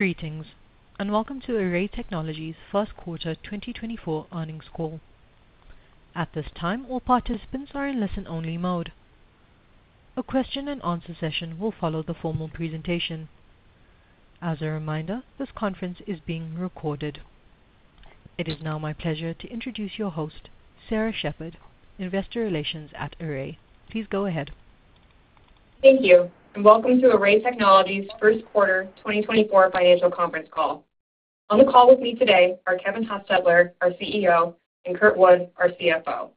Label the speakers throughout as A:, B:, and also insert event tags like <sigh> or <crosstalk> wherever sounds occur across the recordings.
A: .Greetings, and welcome to Array Technologies' Q1 2024 Earnings Call. At this time, all participants are in listen-only mode. A question-and-answer session will follow the formal presentation. As a reminder, this conference is being recorded. It is now my pleasure to introduce your host, Sarah Sheppard, Investor Relations at Array. Please go ahead.
B: Thank you, and welcome to Array Technologies' Q1 2024 Financial Conference Call. On the call with me today are Kevin Hostetler, our CEO, and Kurt Wood, our CFO.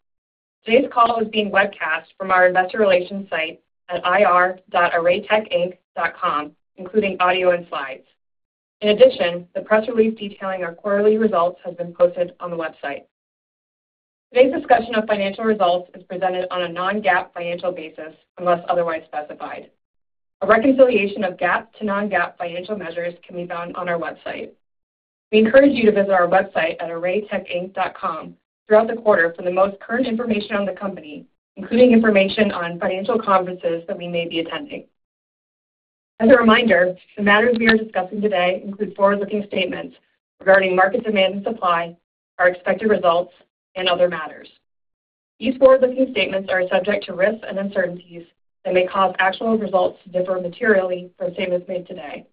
B: Today's call is being webcast from our investor relations site at ir.arraytechinc.com, including audio and slides. In addition, the press release detailing our quarterly results has been posted on the website. Today's discussion of financial results is presented on a non-GAAP financial basis, unless otherwise specified. A reconciliation of GAAP to non-GAAP financial measures can be found on our website. We encourage you to visit our website at arraytechinc.com throughout the quarter for the most current information on the company, including information on financial conferences that we may be attending. As a reminder, the matters we are discussing today include forward-looking statements regarding market demand and supply, our expected results, and other matters. These forward-looking statements are subject to risks and uncertainties that may cause actual results to differ materially from statements made today.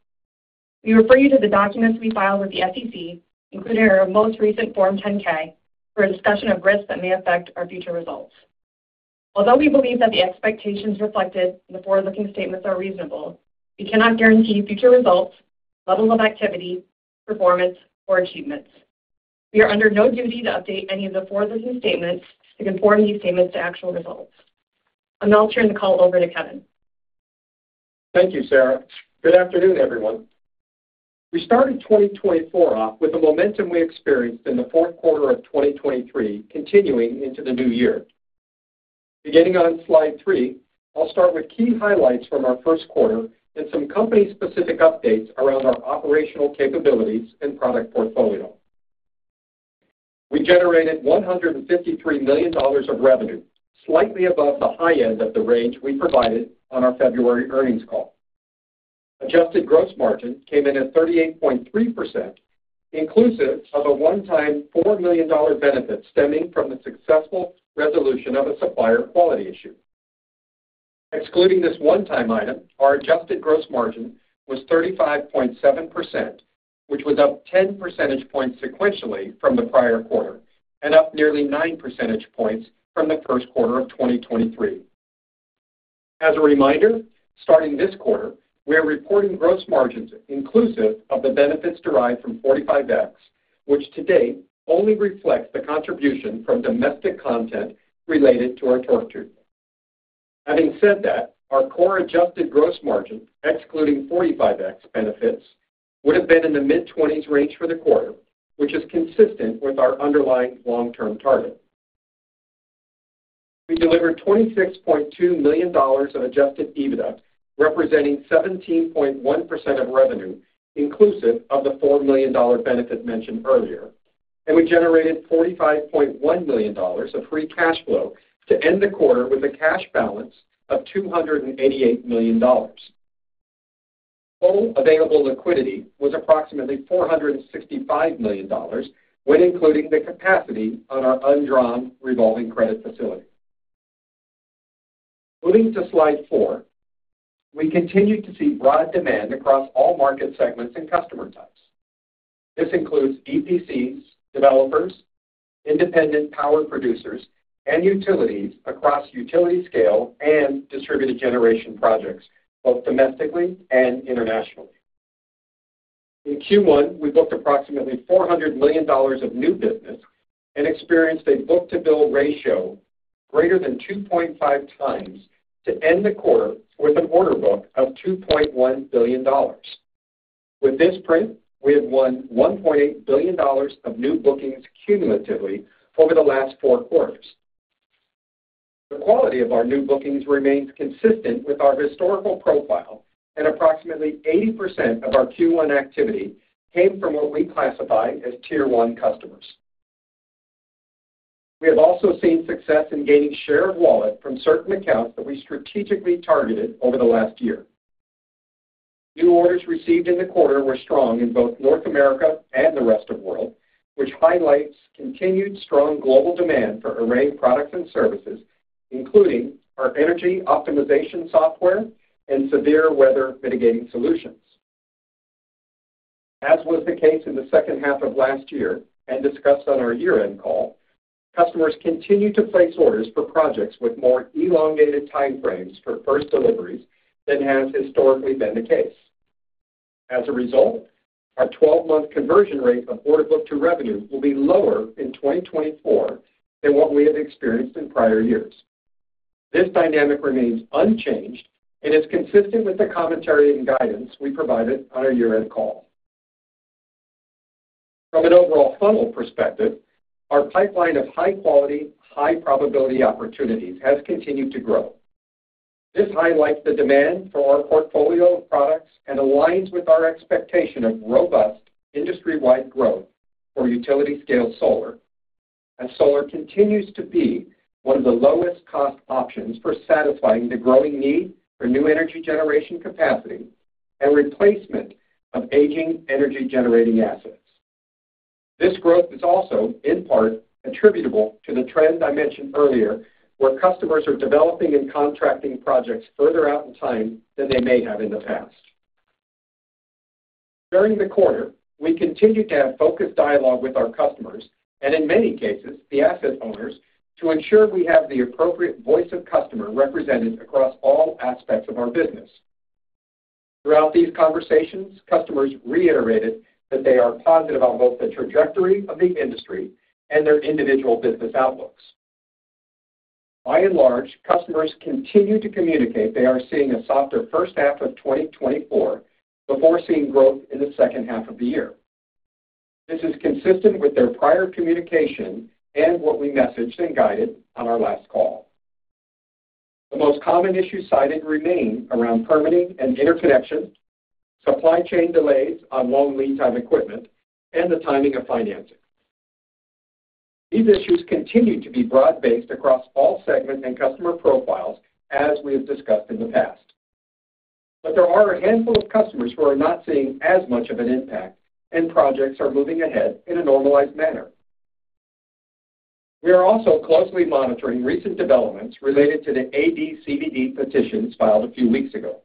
B: We refer you to the documents we filed with the SEC, including our most recent Form 10-K, for a discussion of risks that may affect our future results. Although we believe that the expectations reflected in the forward-looking statements are reasonable, we cannot guarantee future results, levels of activity, performance, or achievements. We are under no duty to update any of the forward-looking statements to conform these statements to actual results. I'll now turn the call over to Kevin.
C: Thank you, Sarah. Good afternoon, everyone. We started 2024 off with the momentum we experienced in the Q4 of 2023, continuing into the new year. Beginning on Slide 3, I'll start with key highlights from our Q1 and some company-specific updates around our operational capabilities and product portfolio. We generated $153 million of revenue, slightly above the high end of the range we provided on our February earnings call. Adjusted gross margin came in at 38.3%, inclusive of a one-time $4 million benefit stemming from the successful resolution of a supplier quality issue. Excluding this one-time item, our adjusted gross margin was 35.7%, which was up 10 percentage points sequentially from the prior quarter and up nearly 9 percentage points from the Q1 of 2023. As a reminder, starting this quarter, we are reporting gross margins inclusive of the benefits derived from 45X, which to date only reflects the contribution from domestic content related to our torque tube. Having said that, our core adjusted gross margin, excluding 45X benefits, would have been in the mid-20s range for the quarter, which is consistent with our underlying long-term target. We delivered $26.2 million of Adjusted EBITDA, representing 17.1% of revenue, inclusive of the $4 million benefit mentioned earlier, and we generated $45.1 million of free cash flow to end the quarter with a cash balance of $288 million. Total available liquidity was approximately $465 million, when including the capacity on our undrawn revolving credit facility. Moving to Slide 4, we continued to see broad demand across all market segments and customer types. This includes EPCs, developers, independent power producers, and utilities across utility-scale and distributed generation projects, both domestically and internationally. In Q1, we booked approximately $400 million of new business and experienced a book-to-bill ratio greater than 2.5x to end the quarter with an order book of $2.1 billion. With this print, we have won $1.8 billion of new bookings cumulatively over the last four quarters. The quality of our new bookings remains consistent with our historical profile, and approximately 80% of our Q1 activity came from what we classify as Tier 1 customers. We have also seen success in gaining share of wallet from certain accounts that we strategically targeted over the last year. New orders received in the quarter were strong in both North America and the rest of world, which highlights continued strong global demand for ARRAY products and services, including our energy optimization software and severe weather mitigating solutions. As was the case in the second half of last year, and discussed on our year-end call, customers continued to place orders for projects with more elongated time frames for first deliveries than has historically been the case. As a result, our 12-month conversion rate of order book to revenue will be lower in 2024 than what we have experienced in prior years. This dynamic remains unchanged and is consistent with the commentary and guidance we provided on our year-end call. From an overall funnel perspective, our pipeline of high quality, high probability opportunities has continued to grow. This highlights the demand for our portfolio of products and aligns with our expectation of robust industry-wide growth for utility-scale solar, as solar continues to be one of the lowest cost options for satisfying the growing need for new energy generation capacity and replacement of aging energy-generating assets. This growth is also, in part, attributable to the trends I mentioned earlier, where customers are developing and contracting projects further out in time than they may have in the past. During the quarter, we continued to have focused dialogue with our customers, and in many cases, the asset owners, to ensure we have the appropriate voice of customer represented across all aspects of our business. Throughout these conversations, customers reiterated that they are positive about both the trajectory of the industry and their individual business outlooks. By and large, customers continue to communicate they are seeing a softer first half of 2024, before seeing growth in the second half of the year. This is consistent with their prior communication and what we messaged and guided on our last call. The most common issues cited remain around permitting and interconnection, supply chain delays on long lead time equipment, and the timing of financing. These issues continue to be broad-based across all segments and customer profiles, as we have discussed in the past. But there are a handful of customers who are not seeing as much of an impact, and projects are moving ahead in a normalized manner. We are also closely monitoring recent developments related to the AD/CVD petitions filed a few weeks ago.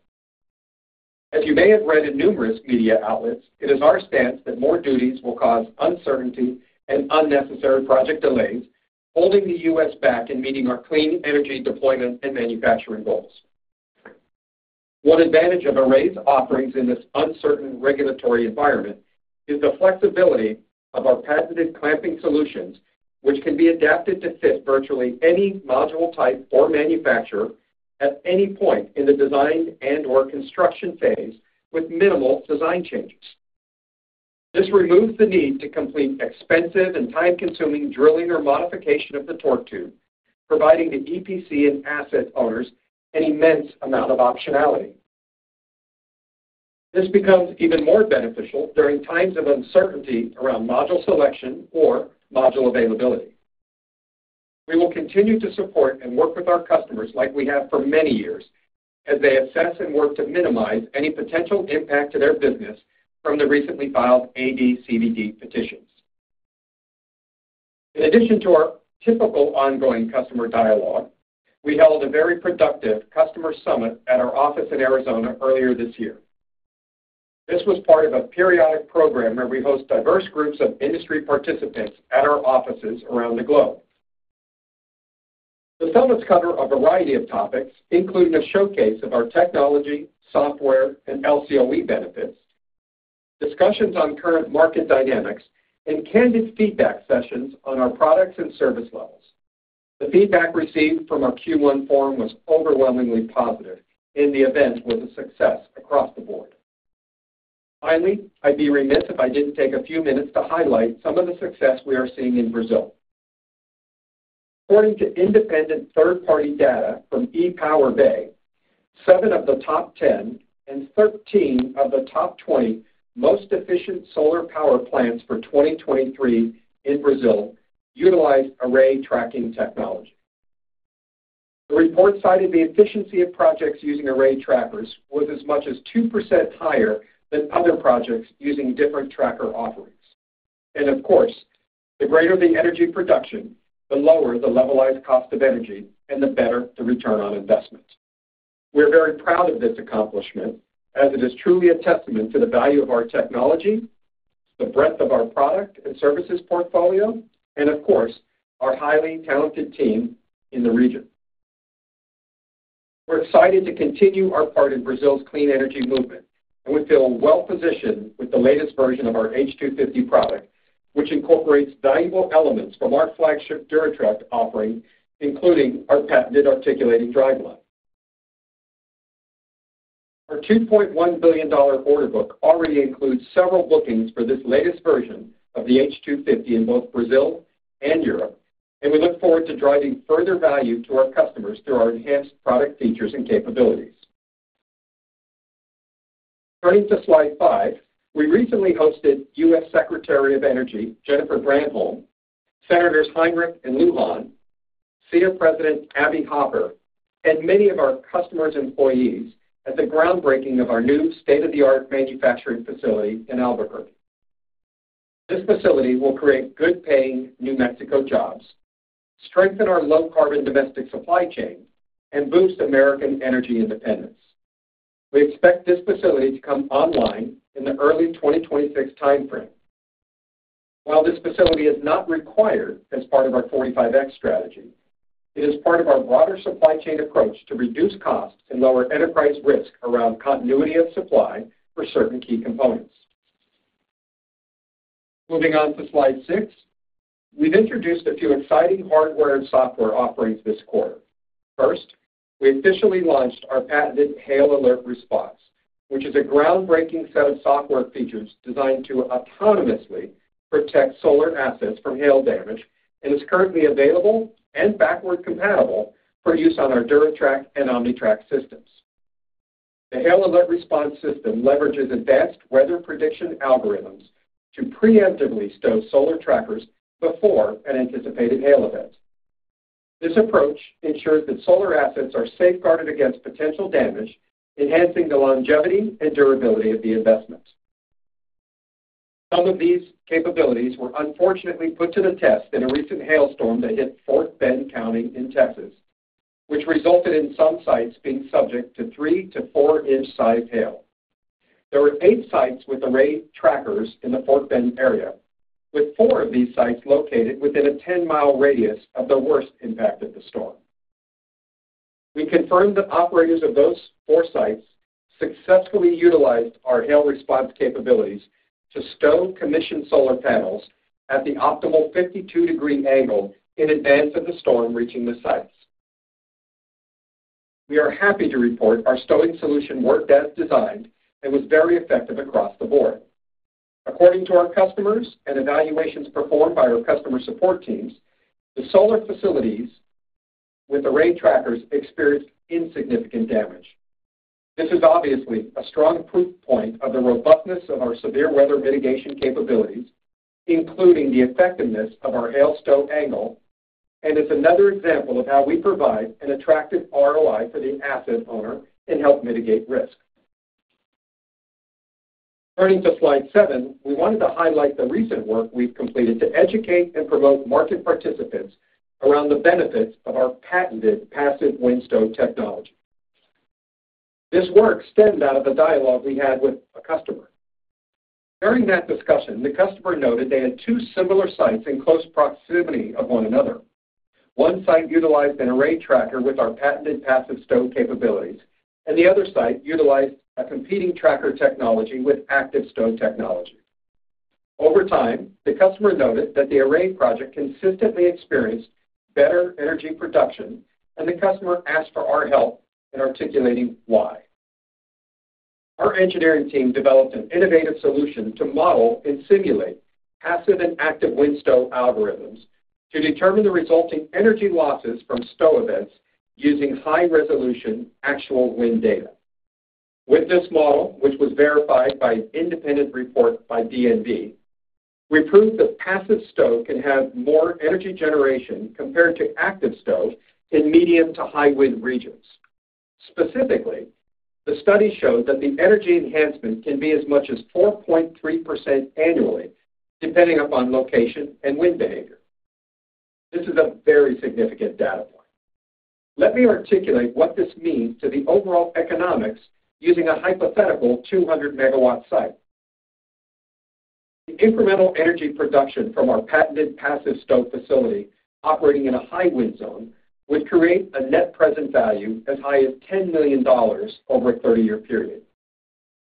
C: As you may have read in numerous media outlets, it is our stance that more duties will cause uncertainty and unnecessary project delays, holding the U.S. back in meeting our clean energy deployment and manufacturing goals. One advantage of Array's offerings in this uncertain regulatory environment is the flexibility of our patented clamping solutions, which can be adapted to fit virtually any module type or manufacturer at any point in the design and or construction phase with minimal design changes. This removes the need to complete expensive and time-consuming drilling or modification of the torque tube, providing the EPC and asset owners an immense amount of optionality. This becomes even more beneficial during times of uncertainty around module selection or module availability. We will continue to support and work with our customers like we have for many years, as they assess and work to minimize any potential impact to their business from the recently filed AD/CVD petitions. In addition to our typical ongoing customer dialogue, we held a very productive customer summit at our office in Arizona earlier this year. This was part of a periodic program where we host diverse groups of industry participants at our offices around the globe. The summits cover a variety of topics, including a showcase of our technology, software, and LCOE benefits, discussions on current market dynamics, and candid feedback sessions on our products and service levels. The feedback received from our Q1 forum was overwhelmingly positive, and the event was a success across the board. Finally, I'd be remiss if I didn't take a few minutes to highlight some of the success we are seeing in Brazil. According to independent third-party data from ePowerBay, seven of the top 10 and 13 of the top 20 most efficient solar power plants for 2023 in Brazil utilized Array tracking technology. The report cited the efficiency of projects using Array trackers was as much as 2% higher than other projects using different tracker offerings. Of course, the greater the energy production, the lower the levelized cost of energy and the better the return on investment. We're very proud of this accomplishment, as it is truly a testament to the value of our technology, the breadth of our product and services portfolio, and of course, our highly talented team in the region. We're excited to continue our part in Brazil's clean energy movement, and we feel well-positioned with the latest version of our H250 product, which incorporates valuable elements from our flagship DuraTrack offering, including our patented articulating drive line. Our $2.1 billion order book already includes several bookings for this latest version of the H250 in both Brazil and Europe, and we look forward to driving further value to our customers through our enhanced product features and capabilities. Turning to Slide 5, we recently hosted U.S. Secretary of Energy, Jennifer Granholm, Senators Heinrich and Luján, SEIA President Abby Hopper, and many of our customers' employees at the groundbreaking of our new state-of-the-art manufacturing facility in Albuquerque. This facility will create good-paying New Mexico jobs, strengthen our low-carbon domestic supply chain, and boost American energy independence. We expect this facility to come online in the early 2026 timeframe. While this facility is not required as part of our 45X strategy, it is part of our broader supply chain approach to reduce costs and lower enterprise risk around continuity of supply for certain key components. Moving on to Slide 6, we've introduced a few exciting hardware and software offerings this quarter. First, we officially launched our patented Hail Alert Response, which is a groundbreaking set of software features designed to autonomously protect solar assets from hail damage, and is currently available and backward compatible for use on our DuraTrack and OmniTrack systems. The Hail Alert Response System leverages advanced weather prediction algorithms to preemptively stow solar trackers before an anticipated hail event. This approach ensures that solar assets are safeguarded against potential damage, enhancing the longevity and durability of the investment. Some of these capabilities were unfortunately put to the test in a recent hailstorm that hit Fort Bend County, Texas, which resulted in some sites being subject to three- to four-inch size hail. There were eight sites with ARRAY trackers in the Fort Bend area, with four of these sites located within a 10-mile radius of the worst impact of the storm. We confirmed that operators of those four sites successfully utilized our hail response capabilities to stow commissioned solar panels at the optimal 52-degree angle in advance of the storm reaching the sites. We are happy to report our stowing solution worked as designed and was very effective across the board. According to our customers and evaluations performed by our customer support teams, the solar facilities with ARRAY trackers experienced insignificant damage. This is obviously a strong proof point of the robustness of our severe weather mitigation capabilities, including the effectiveness of our hail stow angle, and is another example of how we provide an attractive ROI for the asset owner and help mitigate risk. Turning to Slide 7, we wanted to highlight the recent work we've completed to educate and promote market participants around the benefits of our patented Passive Wind Stow technology. This work stemmed out of a dialogue we had with a customer. During that discussion, the customer noted they had two similar sites in close proximity of one another. One site utilized an Array tracker with our patented Passive Stow capabilities, and the other site utilized a competing tracker technology with active stow technology. Over time, the customer noticed that the Array project consistently experienced better energy production, and the customer asked for our help in articulating why. Our engineering team developed an innovative solution to model and simulate passive and active wind stow algorithms to determine the resulting energy losses from stow events using high-resolution actual wind data. With this model, which was verified by an independent report by DNV, we proved that passive stow can have more energy generation compared to active stow in medium to high wind regions. Specifically, the study showed that the energy enhancement can be as much as 4.3% annually, depending upon location and wind behavior. This is a very significant data point. Let me articulate what this means to the overall economics using a hypothetical 200 MW site. The incremental energy production from our patented passive stow facility operating in a high wind zone would create a net present value as high as $10 million over a 30-year period.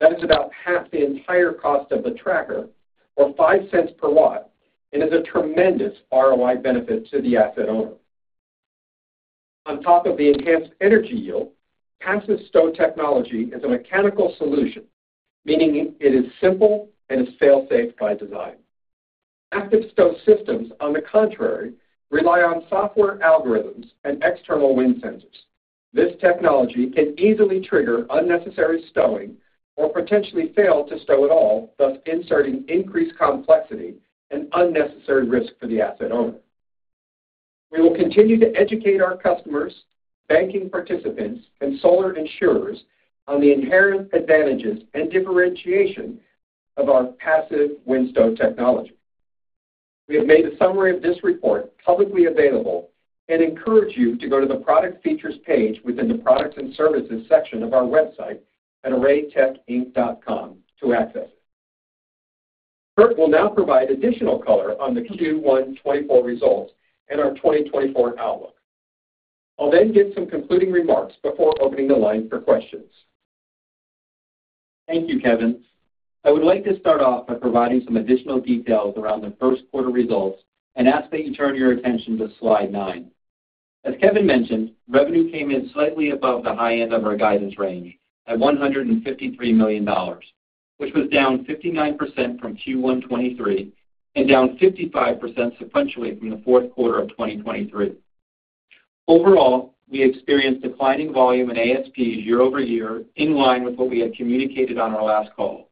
C: That is about half the entire cost of the tracker, or $0.05 per watt, and is a tremendous ROI benefit to the asset owner. On top of the enhanced energy yield, Passive Wind Stow technology is a mechanical solution, meaning it is simple and is fail-safe by design. Active stow systems, on the contrary, rely on software algorithms and external wind sensors. This technology can easily trigger unnecessary stowing or potentially fail to stow at all, thus inserting increased complexity and unnecessary risk for the asset owner. We will continue to educate our customers, banking participants, and solar insurers on the inherent advantages and differentiation of our Passive Wind Stow technology. We have made a summary of this report publicly available and encourage you to go to the Product Features page within the Products and Services section of our website at arraytechinc.com to access it. Kurt will now provide additional color on the Q1 2024 results and our 2024 outlook. I'll then give some concluding remarks before opening the line for questions.
D: Thank you, Kevin. I would like to start off by providing some additional details around the Q1 results and ask that you turn your attention to Slide 9. As Kevin mentioned, revenue came in slightly above the high end of our guidance range at $153 million, which was down 59% from Q1 2023, and down 55% sequentially from the Q4 of 2023. Overall, we experienced declining volume in ASP year-over-year, in line with what we had communicated on our last call.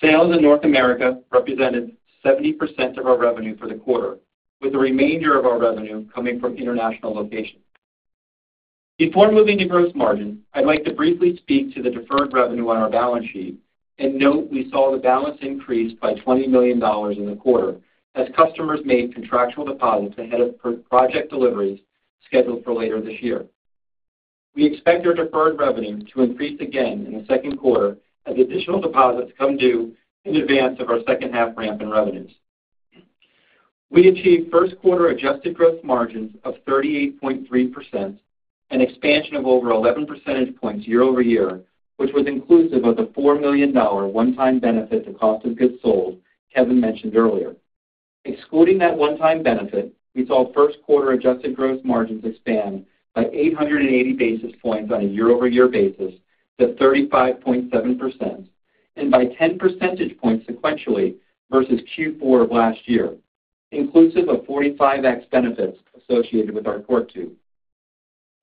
D: Sales in North America represented 70% of our revenue for the quarter, with the remainder of our revenue coming from international locations. Before moving to gross margin, I'd like to briefly speak to the deferred revenue on our balance sheet and note we saw the balance increase by $20 million in the quarter as customers made contractual deposits ahead of project deliveries scheduled for later this year. We expect our deferred revenue to increase again in the Q2 as additional deposits come due in advance of our second half ramp in revenues. We achieved Q1 adjusted gross margins of 38.3%, an expansion of over 11 percentage points year-over-year, which was inclusive of the $4 million one-time benefit to cost of goods sold Kevin mentioned earlier. Excluding that one-time benefit, we saw Q1 adjusted gross margins expand by 800 basis points on a year-over-year basis to 35.7% and by 10 percentage points sequentially versus Q4 of last year, inclusive of 45X benefits associated with our torque tube.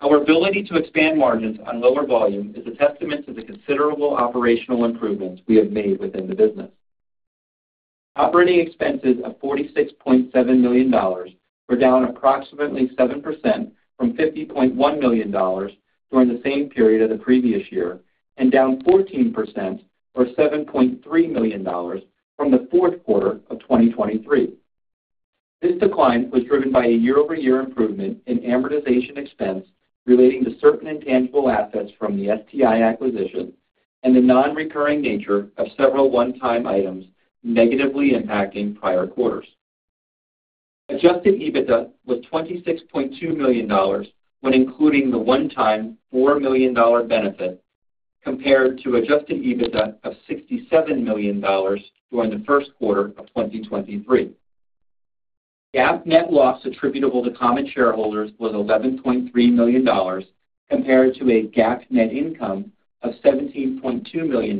D: Our ability to expand margins on lower volume is a testament to the considerable operational improvements we have made within the business. Operating expenses of $46.7 million were down approximately 7% from $50.1 million during the same period of the previous year and down 14% or $7.3 million from the Q4 of 2023. This decline was driven by a year-over-year improvement in amortization expense relating to certain intangible assets from the STI acquisition and the non-recurring nature of several one-time items negatively impacting prior quarters. Adjusted EBITDA was $26.2 million when including the one-time $4 million benefit, compared to Adjusted EBITDA of $67 million during the Q1 of 2023. GAAP net loss attributable to common shareholders was $11.3 million, compared to a GAAP net income of $17.2 million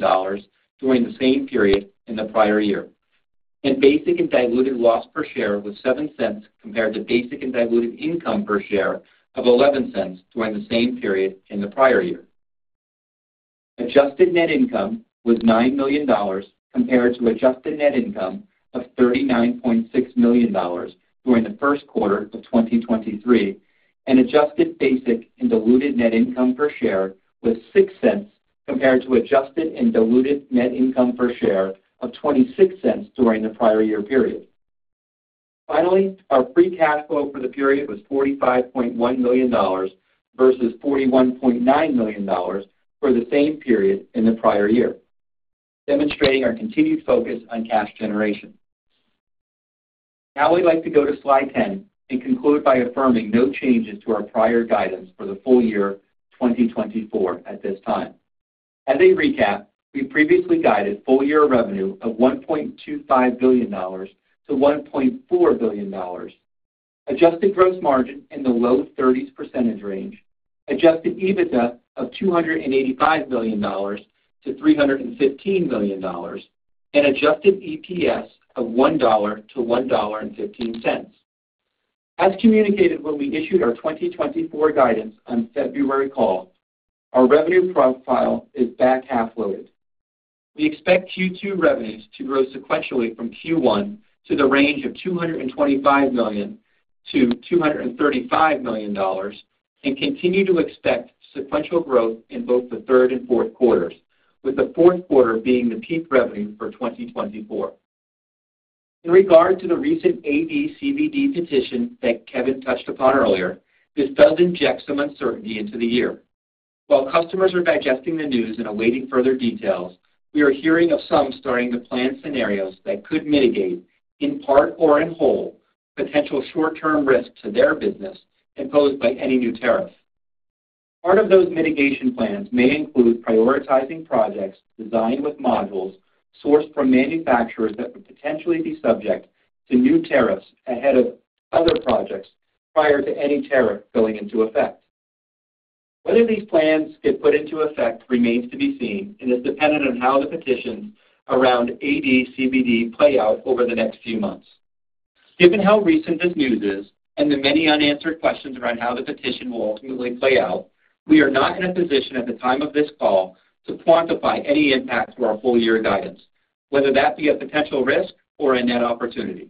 D: during the same period in the prior year, and basic and diluted loss per share was $0.07, compared to basic and diluted income per share of $0.11 during the same period in the prior year. Adjusted net income was $9 million, compared to adjusted net income of $39.6 million during the Q1 of 2023, and adjusted basic and diluted net income per share was $0.06, compared to adjusted and diluted net income per share of $0.26 during the prior year period. Finally, our free cash flow for the period was $45.1 million versus $41.9 million for the same period in the prior year, demonstrating our continued focus on cash generation. Now we'd like to go to Slide 10 and conclude by affirming no changes to our prior guidance for the full year 2024 at this time. As a recap, we previously guided full year revenue of $1.25 billion-$1.4 billion, adjusted gross margin in the low 30s percentage range, Adjusted EBITDA of $285 billion-$315 billion, and adjusted EPS of $1-$1.15. As communicated when we issued our 2024 guidance on February call, our revenue profile is back half loaded. We expect Q2 revenues to grow sequentially from Q1 to the range of $225 million-$235 million, and continue to expect sequential growth in both the third and Q4s, with the Q4 being the peak revenue for 2024. In regard to the recent AD/CVD petition that Kevin touched upon earlier, this does inject some uncertainty into the year. While customers are digesting the news and awaiting further details, we are hearing of some starting to plan scenarios that could mitigate, in part or in whole, potential short-term risks to their business imposed by any new tariffs. Part of those mitigation plans may include prioritizing projects designed with modules sourced from manufacturers that would potentially be subject to new tariffs ahead of other projects prior to any tariff going into effect. Whether these plans get put into effect remains to be seen and is dependent on how the petitions around AD/CVD play out over the next few months. Given how recent this news is and the many unanswered questions around how the petition will ultimately play out, we are not in a position at the time of this call to quantify any impact to our full year guidance, whether that be a potential risk or a net opportunity.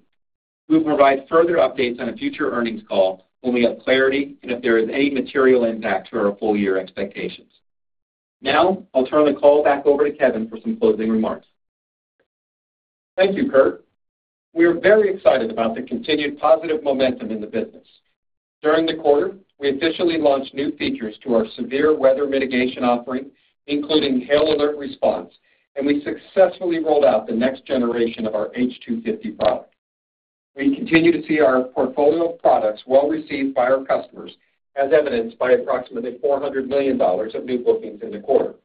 D: We'll provide further updates on a future earnings call when we have clarity and if there is any material impact to our full year expectations. Now I'll turn the call back over to Kevin for some closing remarks.
C: Thank you, Kurt. We are very excited about the continued positive momentum in the business. During the quarter, we officially launched new features to our severe weather mitigation offering, including hail alert response, and we successfully rolled out the next generation of our H250 product. We continue to see our portfolio of products well received by our customers, as evidenced by approximately $400 million of new bookings in the quarter.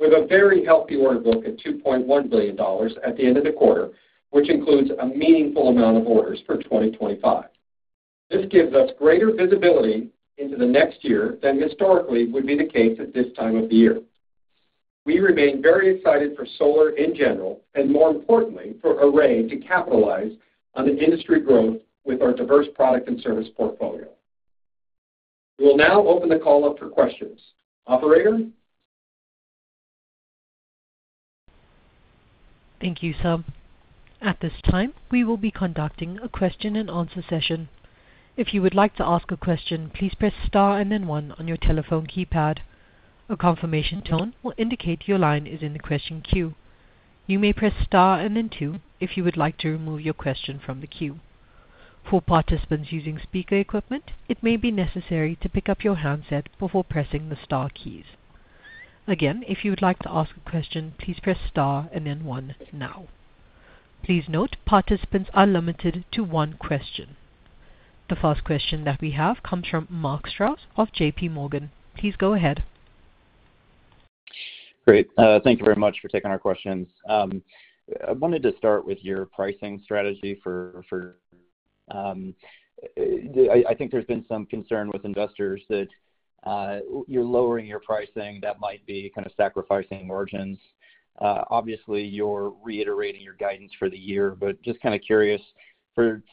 C: With a very healthy order book of $2.1 billion at the end of the quarter, which includes a meaningful amount of orders for 2025. This gives us greater visibility into the next year than historically would be the case at this time of the year. We remain very excited for solar in general, and more importantly, for Array to capitalize on the industry growth with our diverse product and service portfolio. We'll now open the call up for questions. Operator?
A: Thank you, sir. At this time, we will be conducting a question-and-answer session. If you would like to ask a question, please press star and then one on your telephone keypad. A confirmation tone will indicate your line is in the question queue. You may press star and then two if you would like to remove your question from the queue. For participants using speaker equipment, it may be necessary to pick up your handset before pressing the star keys. Again, if you would like to ask a question, please press star and then one now. Please note, participants are limited to one question. The first question that we have comes from Mark Strouse of JPMorgan. Please go ahead.
E: Great. Thank you very much for taking our questions. I wanted to start with your pricing strategy for, I think there's been some concern with investors that you're lowering your pricing, that might be kind of sacrificing margins. Obviously, you're reiterating your guidance for the year, but just kind of curious,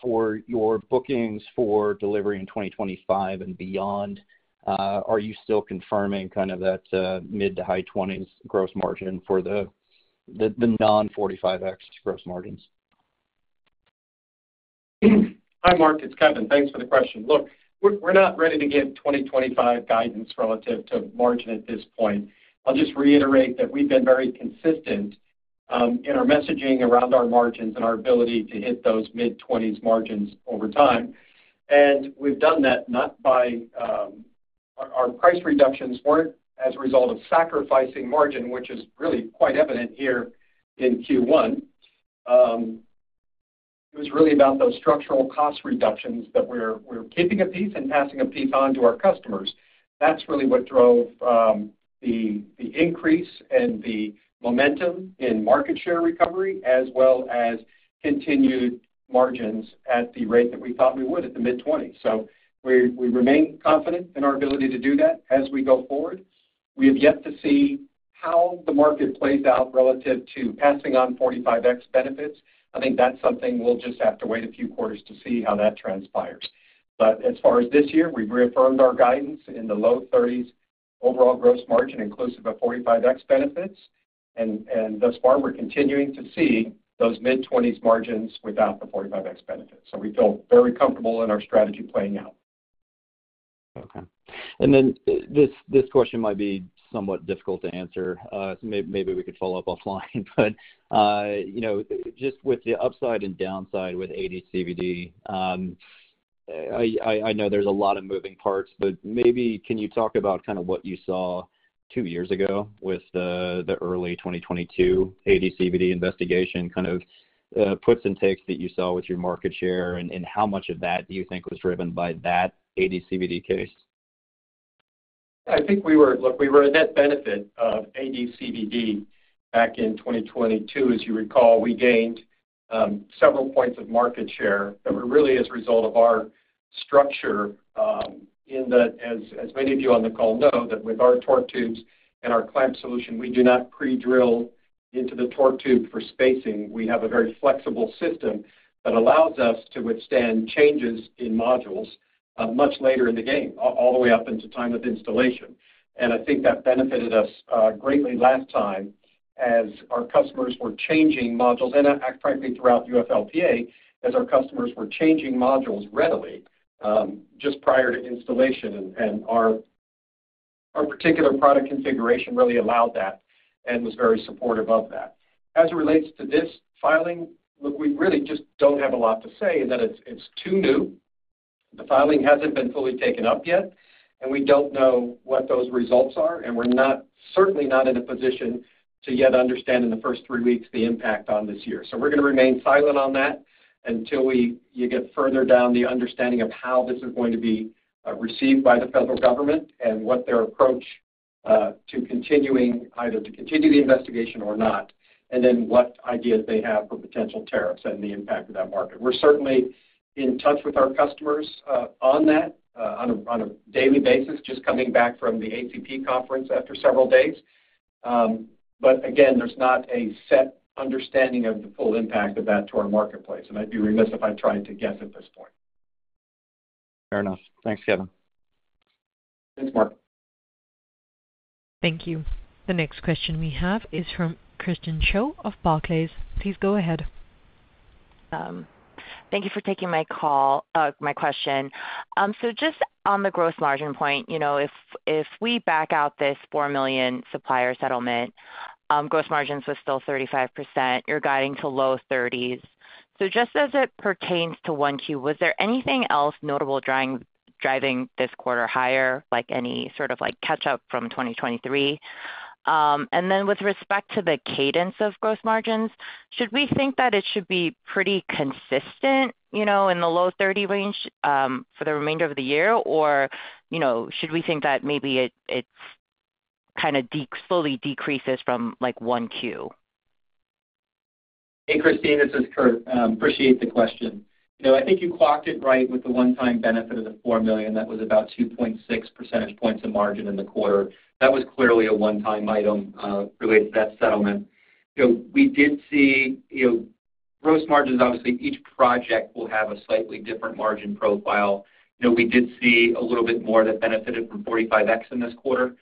E: for your bookings for delivery in 2025 and beyond, are you still confirming kind of that mid- to high-20s gross margin for the non-45X gross margins?
C: Hi, Mark, it's Kevin. Thanks for the question. Look, we're not ready to give 2025 guidance relative to margin at this point. I'll just reiterate that we've been very consistent in our messaging around our margins and our ability to hit those mid-20s margins over time. And we've done that not by our price reductions weren't as a result of sacrificing margin, which is really quite evident here in Q1. It was really about those structural cost reductions that we're keeping a piece and passing a piece on to our customers. That's really what drove the increase and the momentum in market share recovery, as well as continued margins at the rate that we thought we would at the mid-20s. So we remain confident in our ability to do that as we go forward. We have yet to see how the market plays out relative to passing on 45X benefits. I think that's something we'll just have to wait a few quarters to see how that transpires. But as far as this year, we've reaffirmed our guidance in the low 30s% overall gross margin, inclusive of 45X benefits, and thus far, we're continuing to see those mid-20s% margins without the 45X benefits. So we feel very comfortable in our strategy playing out.
E: Okay. And then, this question might be somewhat difficult to answer. So maybe we could follow-up offline. But, you know, just with the upside and downside with AD/CVD, I know there's a lot of moving parts, but maybe, can you talk about kind of what you saw two years ago with the early 2022 AD/CVD investigation, kind of, puts and takes that you saw with your market share, and, and how much of that do you think was driven by that AD/CVD case?
C: I think we were, look, we were a net benefit of AD/CVD back in 2022. As you recall, we gained several points of market share that were really as a result of our structure, in that, as many of you on the call know, that with our torque tubes and our clamp solution, we do not pre-drill into the torque tube for spacing. We have a very flexible system that allows us to withstand changes in modules, much later in the game, all the way up into time of installation. And I think that benefited us greatly last time as our customers were changing modules, and frankly, throughout UFLPA, as our customers were changing modules readily, just prior to installation. And our particular product configuration really allowed that and was very supportive of that. As it relates to this filing, look, we really just don't have a lot to say, in that it's, it's too new. The filing hasn't been fully taken up yet, and we don't know what those results are, and we're not, certainly not in a position to yet understand in the first three weeks the impact on this year. So we're gonna remain silent on that until we. You get further down the understanding of how this is going to be received by the federal government and what their approach to continuing, either to continue the investigation or not, and then what ideas they have for potential tariffs and the impact of that market. We're certainly in touch with our customers on that, on a daily basis, just coming back from the ACP conference after several days. But again, there's not a set understanding of the full impact of that to our marketplace, and I'd be remiss if I tried to guess at this point.
E: Fair enough. Thanks, Kevin.
C: Thanks, Mark.
A: Thank you. The next question we have is from Christine Cho of Barclays. Please go ahead.
F: Thank you for taking my call, my question. So just on the gross margin point, you know, if, if we back out this $4 million supplier settlement, gross margins was still 35%. You're guiding to low 30s. So just as it pertains to 1Q, was there anything else notable driving this quarter higher, like any sort of like catch up from 2023? And then with respect to the cadence of gross margins, should we think that it should be pretty consistent, you know, in the low 30% range, for the remainder of the year? Or, you know, should we think that maybe it, it's kind of slowly decreases from, like, 1Q?
D: Hey, Christine, this is Kurt. Appreciate the question. You know, I think you clocked it right with the one-time benefit of the $4 million. That was about 2.6 percentage points of margin in the quarter. That was clearly a one-time item related to that settlement. So we did see, you know, gross margins, obviously, each project will have a slightly different margin profile. You know, we did see a little bit more that benefited from 45X in this quarter.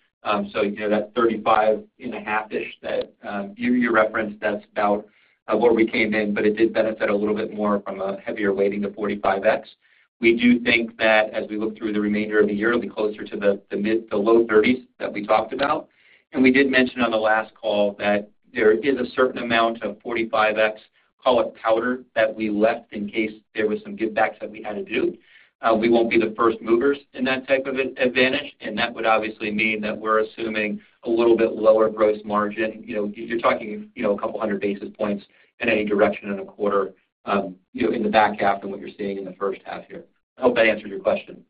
D: So, you know, that 35.5-ish that you referenced, that's about where we came in, but it did benefit a little bit more from a heavier weighting to 45X. We do think that as we look through the remainder of the year, it'll be closer to the mid- to low 30s that we talked about. We did mention on the last call that there is a certain amount of 45X call it powder, that we left in case there was some givebacks that we had to do. We won't be the first movers in that type of advantage, and that would obviously mean that we're assuming a little bit lower gross margin. You know, you're talking, you know, a couple hundred basis points in any direction in a quarter, you know, in the back half than what you're seeing in the first half here. I hope that answered your question.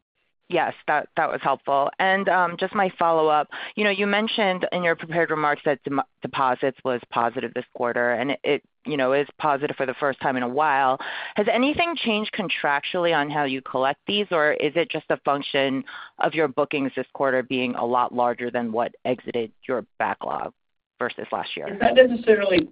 F: Yes, that was helpful. And just my follow-up. You know, you mentioned in your prepared remarks that deposits was positive this quarter, and it you know is positive for the first time in a while. Has anything changed contractually on how you collect these, or is it just a function of your bookings this quarter being a lot larger than what exited your backlog versus last year?
D: It's not necessarily.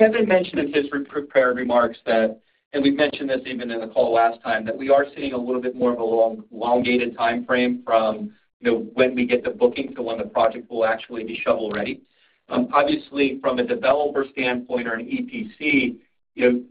D: Kevin mentioned in his pre-prepared remarks that, and we've mentioned this even in the call last time, that we are seeing a little bit more of a longer elongated timeframe from, you know, when we get the booking to when the project will actually be shovel-ready. Obviously, from a developer standpoint or an EPC, you know,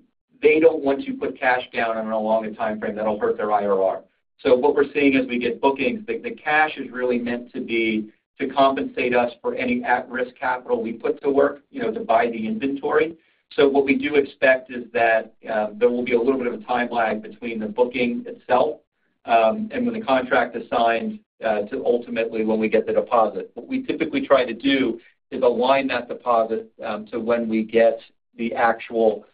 D: they don't want to put cash down on a longer timeframe. That'll hurt their IRR. So what we're seeing as we get bookings, the cash is really meant to be to compensate us for any at-risk capital we put to work, you know, to buy the inventory. So what we do expect is that there will be a little bit of a time lag between the booking itself, and when the contract is signed, to ultimately when we get the deposit. What we typically try to do is align that deposit to when we get the actual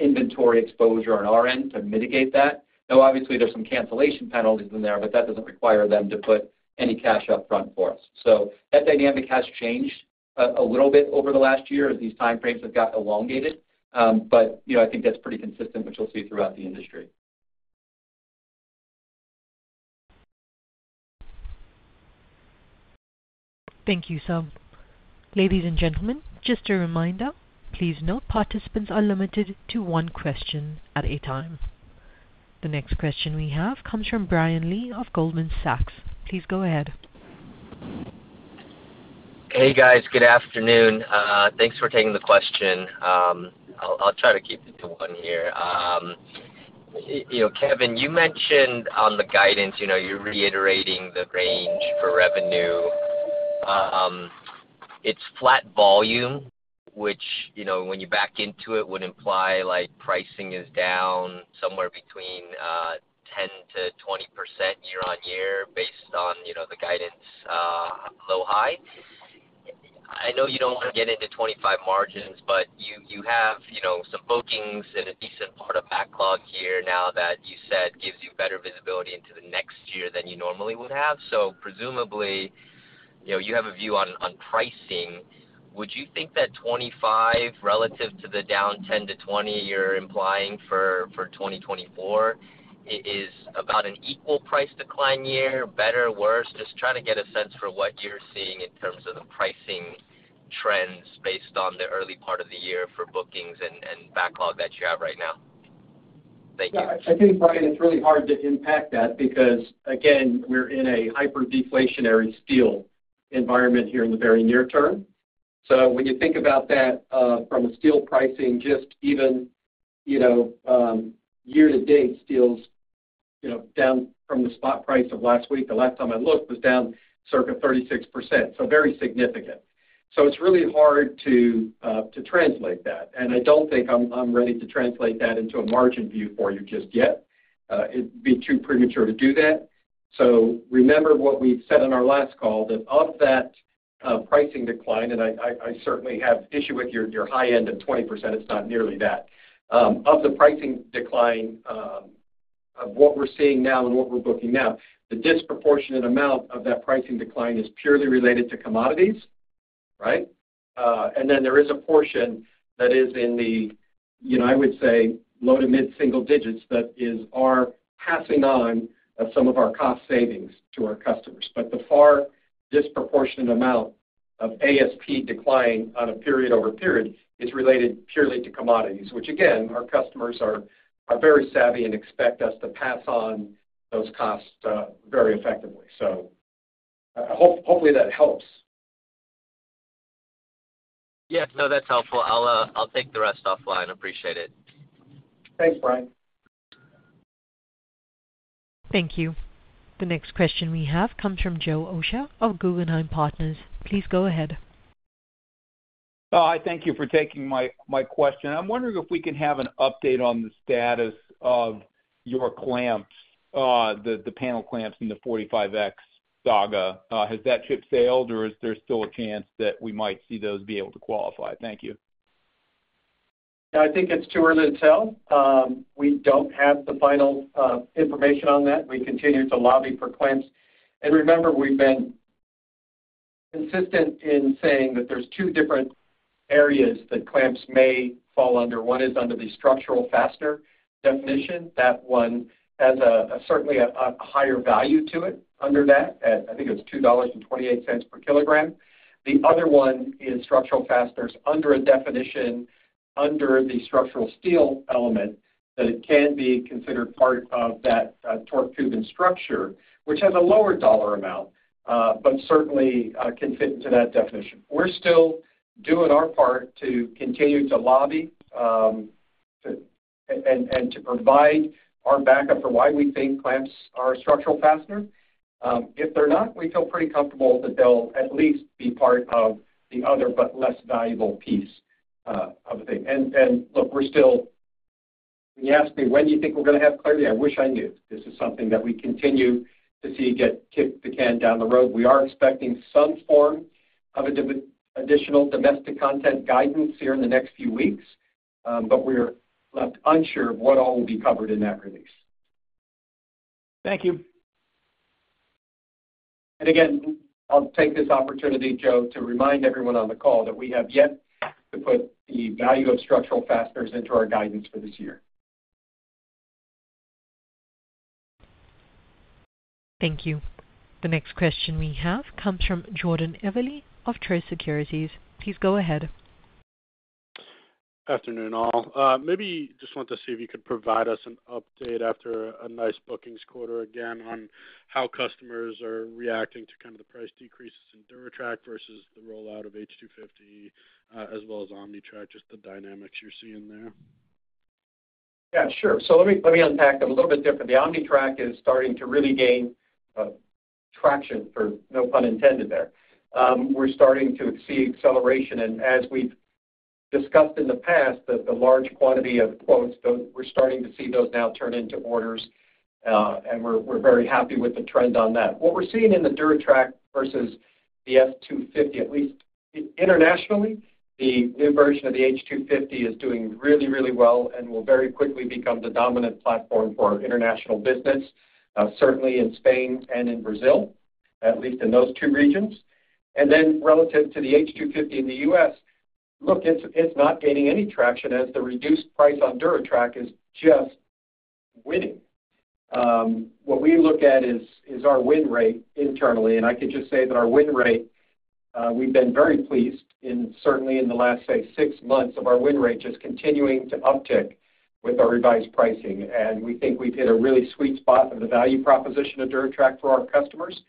D: inventory exposure on our end to mitigate that. Though, obviously, there's some cancellation penalties in there, but that doesn't require them to put any cash up front for us. So that dynamic has changed a little bit over the last year as these timeframes have gotten elongated. But, you know, I think that's pretty consistent, which you'll see throughout the industry.
A: Thank you. Ladies and gentlemen, just a reminder, please, note participants are limited to one question at a time. The next question we have comes from Brian Lee of Goldman Sachs. Please go ahead.
G: Hey, guys. Good afternoon. Thanks for taking the question. I'll try to keep it to one here. You know, Kevin, you mentioned on the guidance, you know, you're reiterating the range for revenue. It's flat volume, which, you know, when you back into it, would imply like pricing is down somewhere between 10%-20% year-on-year, based on, you know, the guidance low/high. I know you don't want to get into 25% margins, but you have some bookings and a decent part of backlog here now that you said gives you better visibility into the next year than you normally would have. So presumably, you know, you have a view on pricing. Would you think that 25%, relative to the down 10%-20% you're implying for 2024, is about an equal price decline year, better, worse? Just trying to get a sense for what you're seeing in terms of the pricing trends based on the early part of the year for bookings and backlog that you have right now. Thank you.
C: Yeah, I think, Brian, it's really hard to impact that because, again, we're in a hyperdeflationary steel environment here in the very near term. So when you think about that, from a steel pricing, just even, you know, year to date, steel's, you know, down from the spot price of last week, the last time I looked, was down circa 36%, so very significant. So it's really hard to, to translate that, and I don't think I'm ready to translate that into a margin view for you just yet. It'd be too premature to do that. So remember what we've said on our last call, that of that, pricing decline, and I certainly have issue with your high end of 20%, it's not nearly that. Of the pricing decline, of what we're seeing now and what we're booking now, the disproportionate amount of that pricing decline is purely related to commodities, right? And then there is a portion that is in the, you know, I would say, low- to mid-single digits that is our passing on of some of our cost savings to our customers. But the far disproportionate amount of ASP decline on a period-over-period is related purely to commodities, which again, our customers are very savvy and expect us to pass on those costs very effectively. So hopefully, that helps.
G: Yeah. No, that's helpful. I'll, I'll take the rest offline. Appreciate it.
C: Thanks, Brian.
A: Thank you. The next question we have comes from Joe Osha of Guggenheim Partners. Please go ahead.
H: Oh, hi. Thank you for taking my question. I'm wondering if we can have an update on the status of your clamps, the panel clamps in the 45X saga. Has that ship sailed, or is there still a chance that we might see those be able to qualify? Thank you.
C: I think it's too early to tell. We don't have the final information on that. We continue to lobby for clamps. And remember, we've been consistent in saying that there's two different areas that clamps may fall under. One is under the structural fastener definition. That one has a certainly higher value to it under that, at I think it's $2.28 per kilogram. The other one is structural fasteners under a definition, under the structural steel element, that it can be considered part of that, torque tube and structure, which has a lower dollar amount, but certainly can fit into that definition. We're still doing our part to continue to lobby and to provide our backup for why we think clamps are a structural fastener. If they're not, we feel pretty comfortable that they'll at least be part of the other, but less valuable piece, of the thing. And look, we're still. When you ask me: When do you think we're gonna have clarity? I wish I knew. This is something that we continue to see get kicked the can down the road. We are expecting some form of additional domestic content guidance here in the next few weeks. But we are left unsure of what all will be covered in that release.
H: Thank you.
C: And again, I'll take this opportunity, Joe, to remind everyone on the call that we have yet to put the value of structural fasteners into our guidance for this year.
A: Thank you. The next question we have comes from Jordan Levy of Truist Securities. Please go ahead.
I: Afternoon, all. Maybe just want to see if you could provide us an update after a nice bookings quarter again, on how customers are reacting to kind of the price decreases in DuraTrack versus the rollout of H250, as well as OmniTrack, just the dynamics you're seeing there.
C: Yeah, sure. So let me unpack them a little bit different. The OmniTrack is starting to really gain traction, for no pun intended there. We're starting to see acceleration, and as we've discussed in the past, that the large quantity of quotes, those we're starting to see those now turn into orders, and we're very happy with the trend on that. What we're seeing in the DuraTrack versus the STI H250, at least internationally, the new version of the H250 is doing really, really well and will very quickly become the dominant platform for our international business, certainly in Spain and in Brazil, at least in those two regions. And then relative to the H250 in the U.S., look, it's not gaining any traction as the reduced price on DuraTrack is just winning. What we look at is our win rate internally, and I can just say that our win rate, we've been very pleased in, certainly in the last, say, six months of our win rate, just continuing to uptick with our revised pricing. And we think we've hit a really sweet spot of the value proposition of DuraTrack for our customers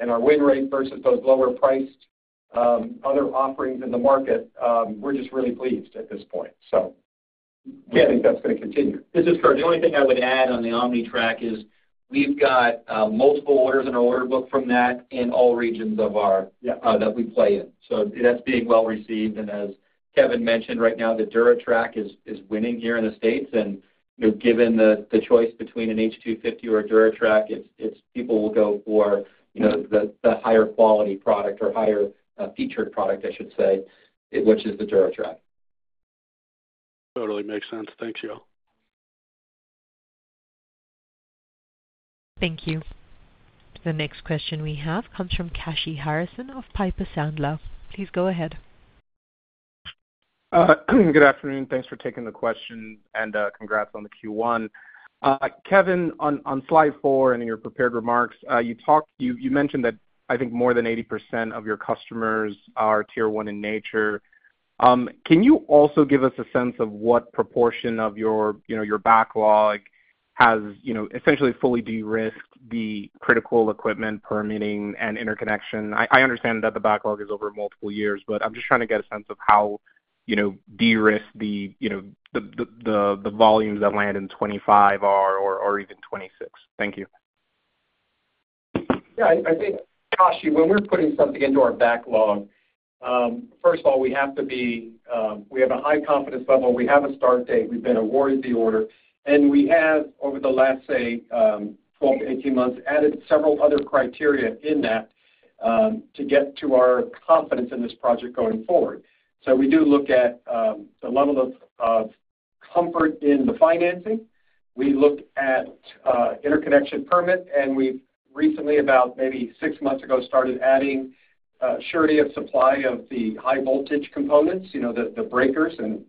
C: and our win rate versus those lower-priced, other offerings in the market, we're just really pleased at this point. So we think that's gonna continue.
D: This is Kurt. The only thing I would add on the OmniTrack is we've got, multiple orders in our order book from that in all regions of our-... that we play in. So that's being well received. And as Kevin mentioned, right now, the DuraTrack is winning here in the States, and, you know, given the choice between an H250 or a DuraTrack, it's people will go for, you know, the higher quality product or higher featured product, I should say, which is the DuraTrack.
I: Totally makes sense. Thank you.
A: Thank you. The next question we have comes from Kashy Harrison of Piper Sandler. Please go ahead.
J: Good afternoon. Thanks for taking the question, and congrats on the Q1. Kevin, on slide four in your prepared remarks, you mentioned that I think more than 80% of your customers are Tier 1 in nature. Can you also give us a sense of what proportion of your, you know, your backlog has, you know, essentially fully de-risked the critical equipment, permitting, and interconnection? I understand that the backlog is over multiple years, but I'm just trying to get a sense of how, you know, de-risked the, you know, the volumes that land in 2025 are or even 2026. Thank you.
D: Yeah, I think, Kashy, when we're putting something into our backlog, first of all, we have to be, we have a high confidence level. We have a start date. We've been awarded the order, and we have, over the last, say, 12-18 months, added several other criteria in that, to get to our confidence in this project going forward. So we do look at the level of comfort in the financing. We look at interconnection permit, and we've recently, about maybe six months ago, started adding surety of supply of the high voltage components, you know, the breakers and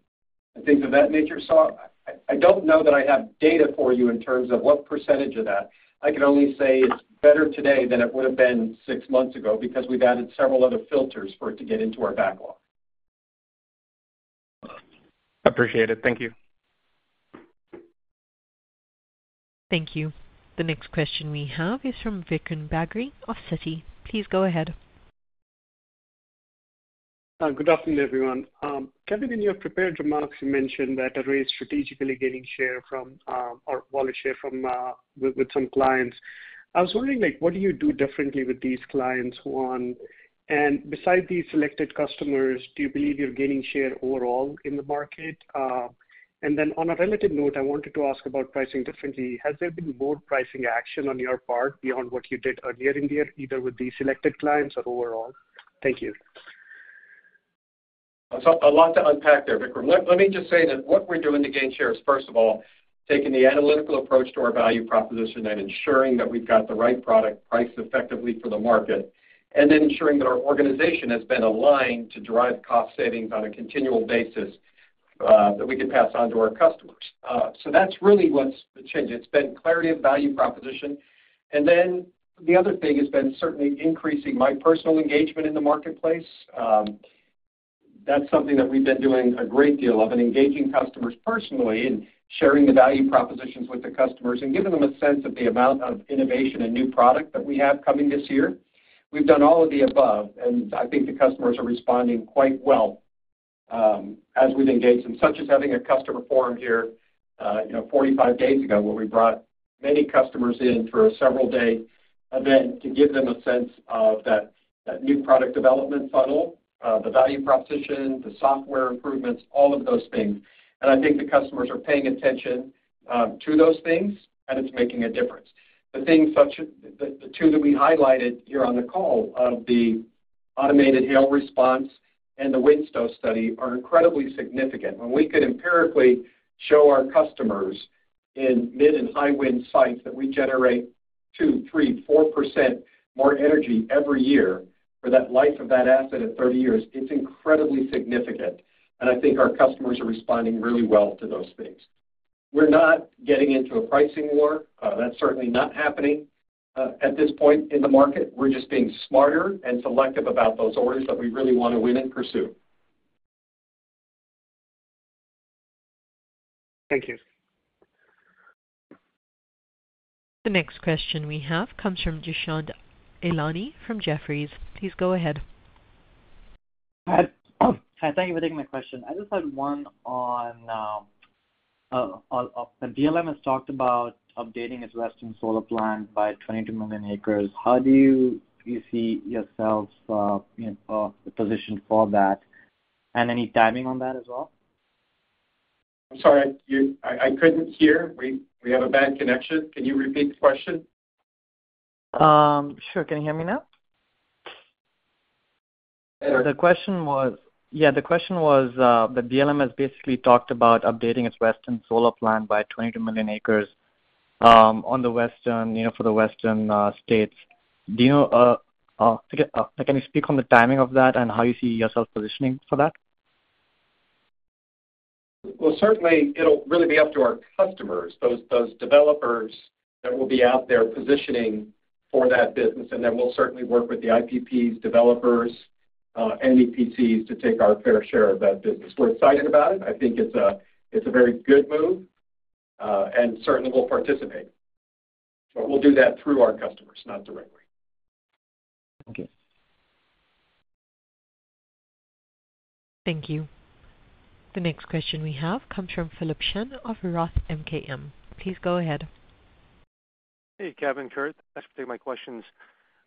D: things of that nature. So I don't know that I have data for you in terms of what percentage of that.I can only say it's better today than it would've been six months ago because we've added several other filters for it to get into our backlog.
J: Appreciate it. Thank you.
A: Thank you. The next question we have is from Vikram Bagri of Citi. Please go ahead.
K: Good afternoon, everyone. Kevin, in your prepared remarks, you mentioned that Array is strategically gaining share from, or wallet share from, with, with some clients. I was wondering, like, what do you do differently with these clients, one? And besides these selected customers, do you believe you're gaining share overall in the market? And then on a related note, I wanted to ask about pricing differently. Has there been more pricing action on your part beyond what you did earlier in the year, either with these selected clients or overall? Thank you.
C: So a lot to unpack there, Vikram. Let me just say that what we're doing to gain share is, first of all, taking the analytical approach to our value proposition and ensuring that we've got the right product priced effectively for the market, and then ensuring that our organization has been aligned to derive cost savings on a continual basis, that we can pass on to our customers. So that's really what's the change. It's been clarity of value proposition, and then the other thing has been certainly increasing my personal engagement in the marketplace. That's something that we've been doing a great deal of and engaging customers personally and sharing the value propositions with the customers and giving them a sense of the amount of innovation and new product that we have coming this year. We've done all of the above, and I think the customers are responding quite well, as we've engaged them, such as having a customer forum here, you know, 45 days ago, where we brought many customers in for a several-day event to give them a sense of that new product development funnel, the value proposition, the software improvements, all of those things. And I think the customers are paying attention to those things, and it's making a difference. The things such as the two that we highlighted here on the call, of the automated hail response and the wind stow study are incredibly significant. When we can empirically show our customers in mid and high wind sites that we generate 2%, 3%, 4% more energy every year for that life of that asset at 30 years, it's incredibly significant, and I think our customers are responding really well to those things. We're not getting into a pricing war. That's certainly not happening at this point in the market. We're just being smarter and selective about those orders that we really want to win and pursue.
K: Thank you.
A: The next question we have comes from Dushyant Ailani from Jefferies. Please go ahead.
L: Hi. Hi, thank you for taking my question. I just had one on the BLM has talked about updating its Western solar plan by 22 million acres. How do you, you know, positioned for that? And any timing on that as well?
C: I'm sorry. I couldn't hear. We have a bad connection. Can you repeat the question?
L: Sure. Can you hear me now? The question was, yeah, the question was, the BLM has basically talked about updating its Western solar plan by 22 million acres, on the Western, you know, for the Western, states. Do you know, can you speak on the timing of that and how you see yourself positioning for that?
C: Well, certainly it'll really be up to our customers, those, those developers that will be out there positioning for that business, and then we'll certainly work with the IPPs, developers, and EPCs to take our fair share of that business. We're excited about it. I think it's a, it's a very good move, and certainly we'll participate. But we'll do that through our customers, not directly.
L: Thank you.
A: Thank you. The next question we have comes from Philip Shen of Roth MKM. Please go ahead.
M: Hey, Kevin, Kurt, thanks for taking my questions.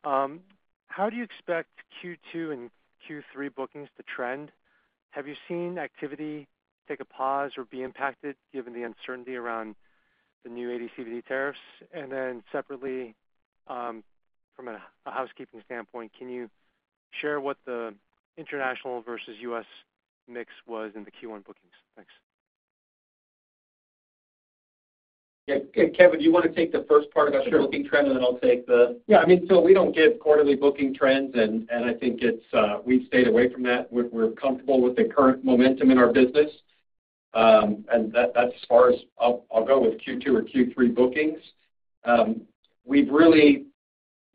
M: How do you expect Q2 and Q3 bookings to trend? Have you seen activity take a pause or be impacted, given the uncertainty around the new AD/CVD tariffs? And then separately, from a housekeeping standpoint, can you share what the international versus U.S. mix was in the Q1 bookings? Thanks.
D: Yeah, Kevin, do you want to take the first part- about the booking trend, and then I'll take the
C: Yeah, I mean, so we don't give quarterly booking trends, and, and I think it's, we've stayed away from that. We're, we're comfortable with the current momentum in our business. And that, that's as far as I'll, I'll go with Q2 or Q3 bookings. We've really,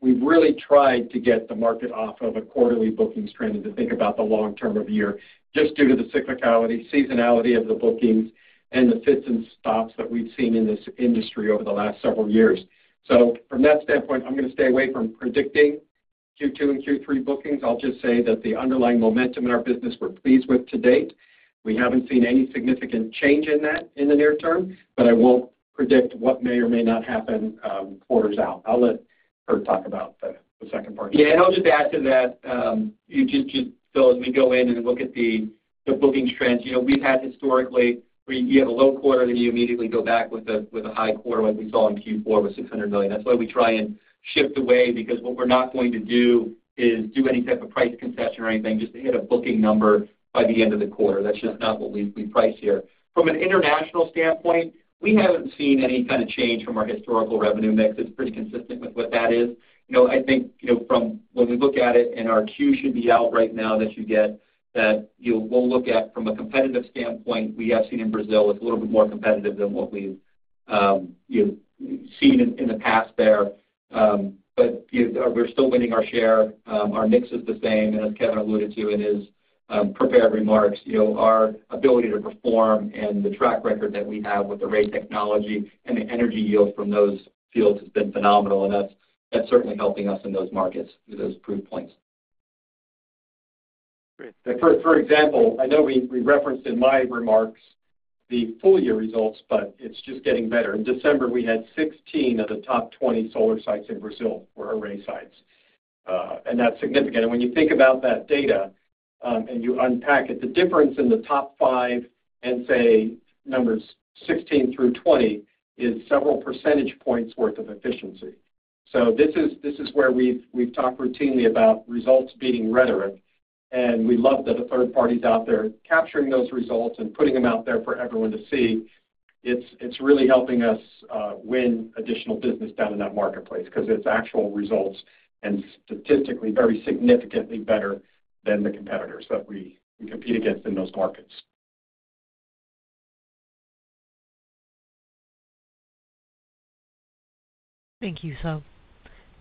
C: we've really tried to get the market off of a quarterly bookings trend and to think about the long term of the year, just due to the cyclicality, seasonality of the bookings and the fits and stops that we've seen in this industry over the last several years. So from that standpoint, I'm gonna stay away from predicting Q2 and Q3 bookings. I'll just say that the underlying momentum in our business, we're pleased with to date. We haven't seen any significant change in that in the near term, but I won't predict what may or may not happen, quarters out. I'll let Kurt talk about the second part.
D: Yeah, and I'll just add to that, you just, just so as we go in and look at the bookings trends, you know, we've had historically, where you have a low quarter, then you immediately go back with a high quarter, like we saw in Q4 with $600 million. That's why we try and shift away, because what we're not going to do is do any type of price concession or anything just to hit a booking number by the end of the quarter. That's just not what we price here. From an international standpoint, we haven't seen any kind of change from our historical revenue mix. It's pretty consistent with what that is. You know, I think, you know, from when we look at it, and our Q should be out right now, that you get that, you know, we'll look at from a competitive standpoint, we have seen in Brazil, it's a little bit more competitive than what we've, you've seen in the past there. But, you know, we're still winning our share. Our mix is the same, and as Kevin alluded to in his prepared remarks, you know, our ability to perform and the track record that we have with the Array technology and the energy yield from those fields has been phenomenal, and that's, that's certainly helping us in those markets through those proof points.
M: Great.
D: Like, for example, I know we referenced in my remarks the full year results, but it's just getting better. In December, we had 16 of the top 20 solar sites in Brazil were Array sites, and that's significant. And when you think about that data, and you unpack it, the difference in the top five and, say, numbers 16 through 20 is several percentage points worth of efficiency. So this is where we've talked routinely about results beating rhetoric, and we love that the third party's out there capturing those results and putting them out there for everyone to see. It's really helping us win additional business down in that marketplace, because it's actual results and statistically very significantly better than the competitors that we compete against in those markets.
A: Thank you. So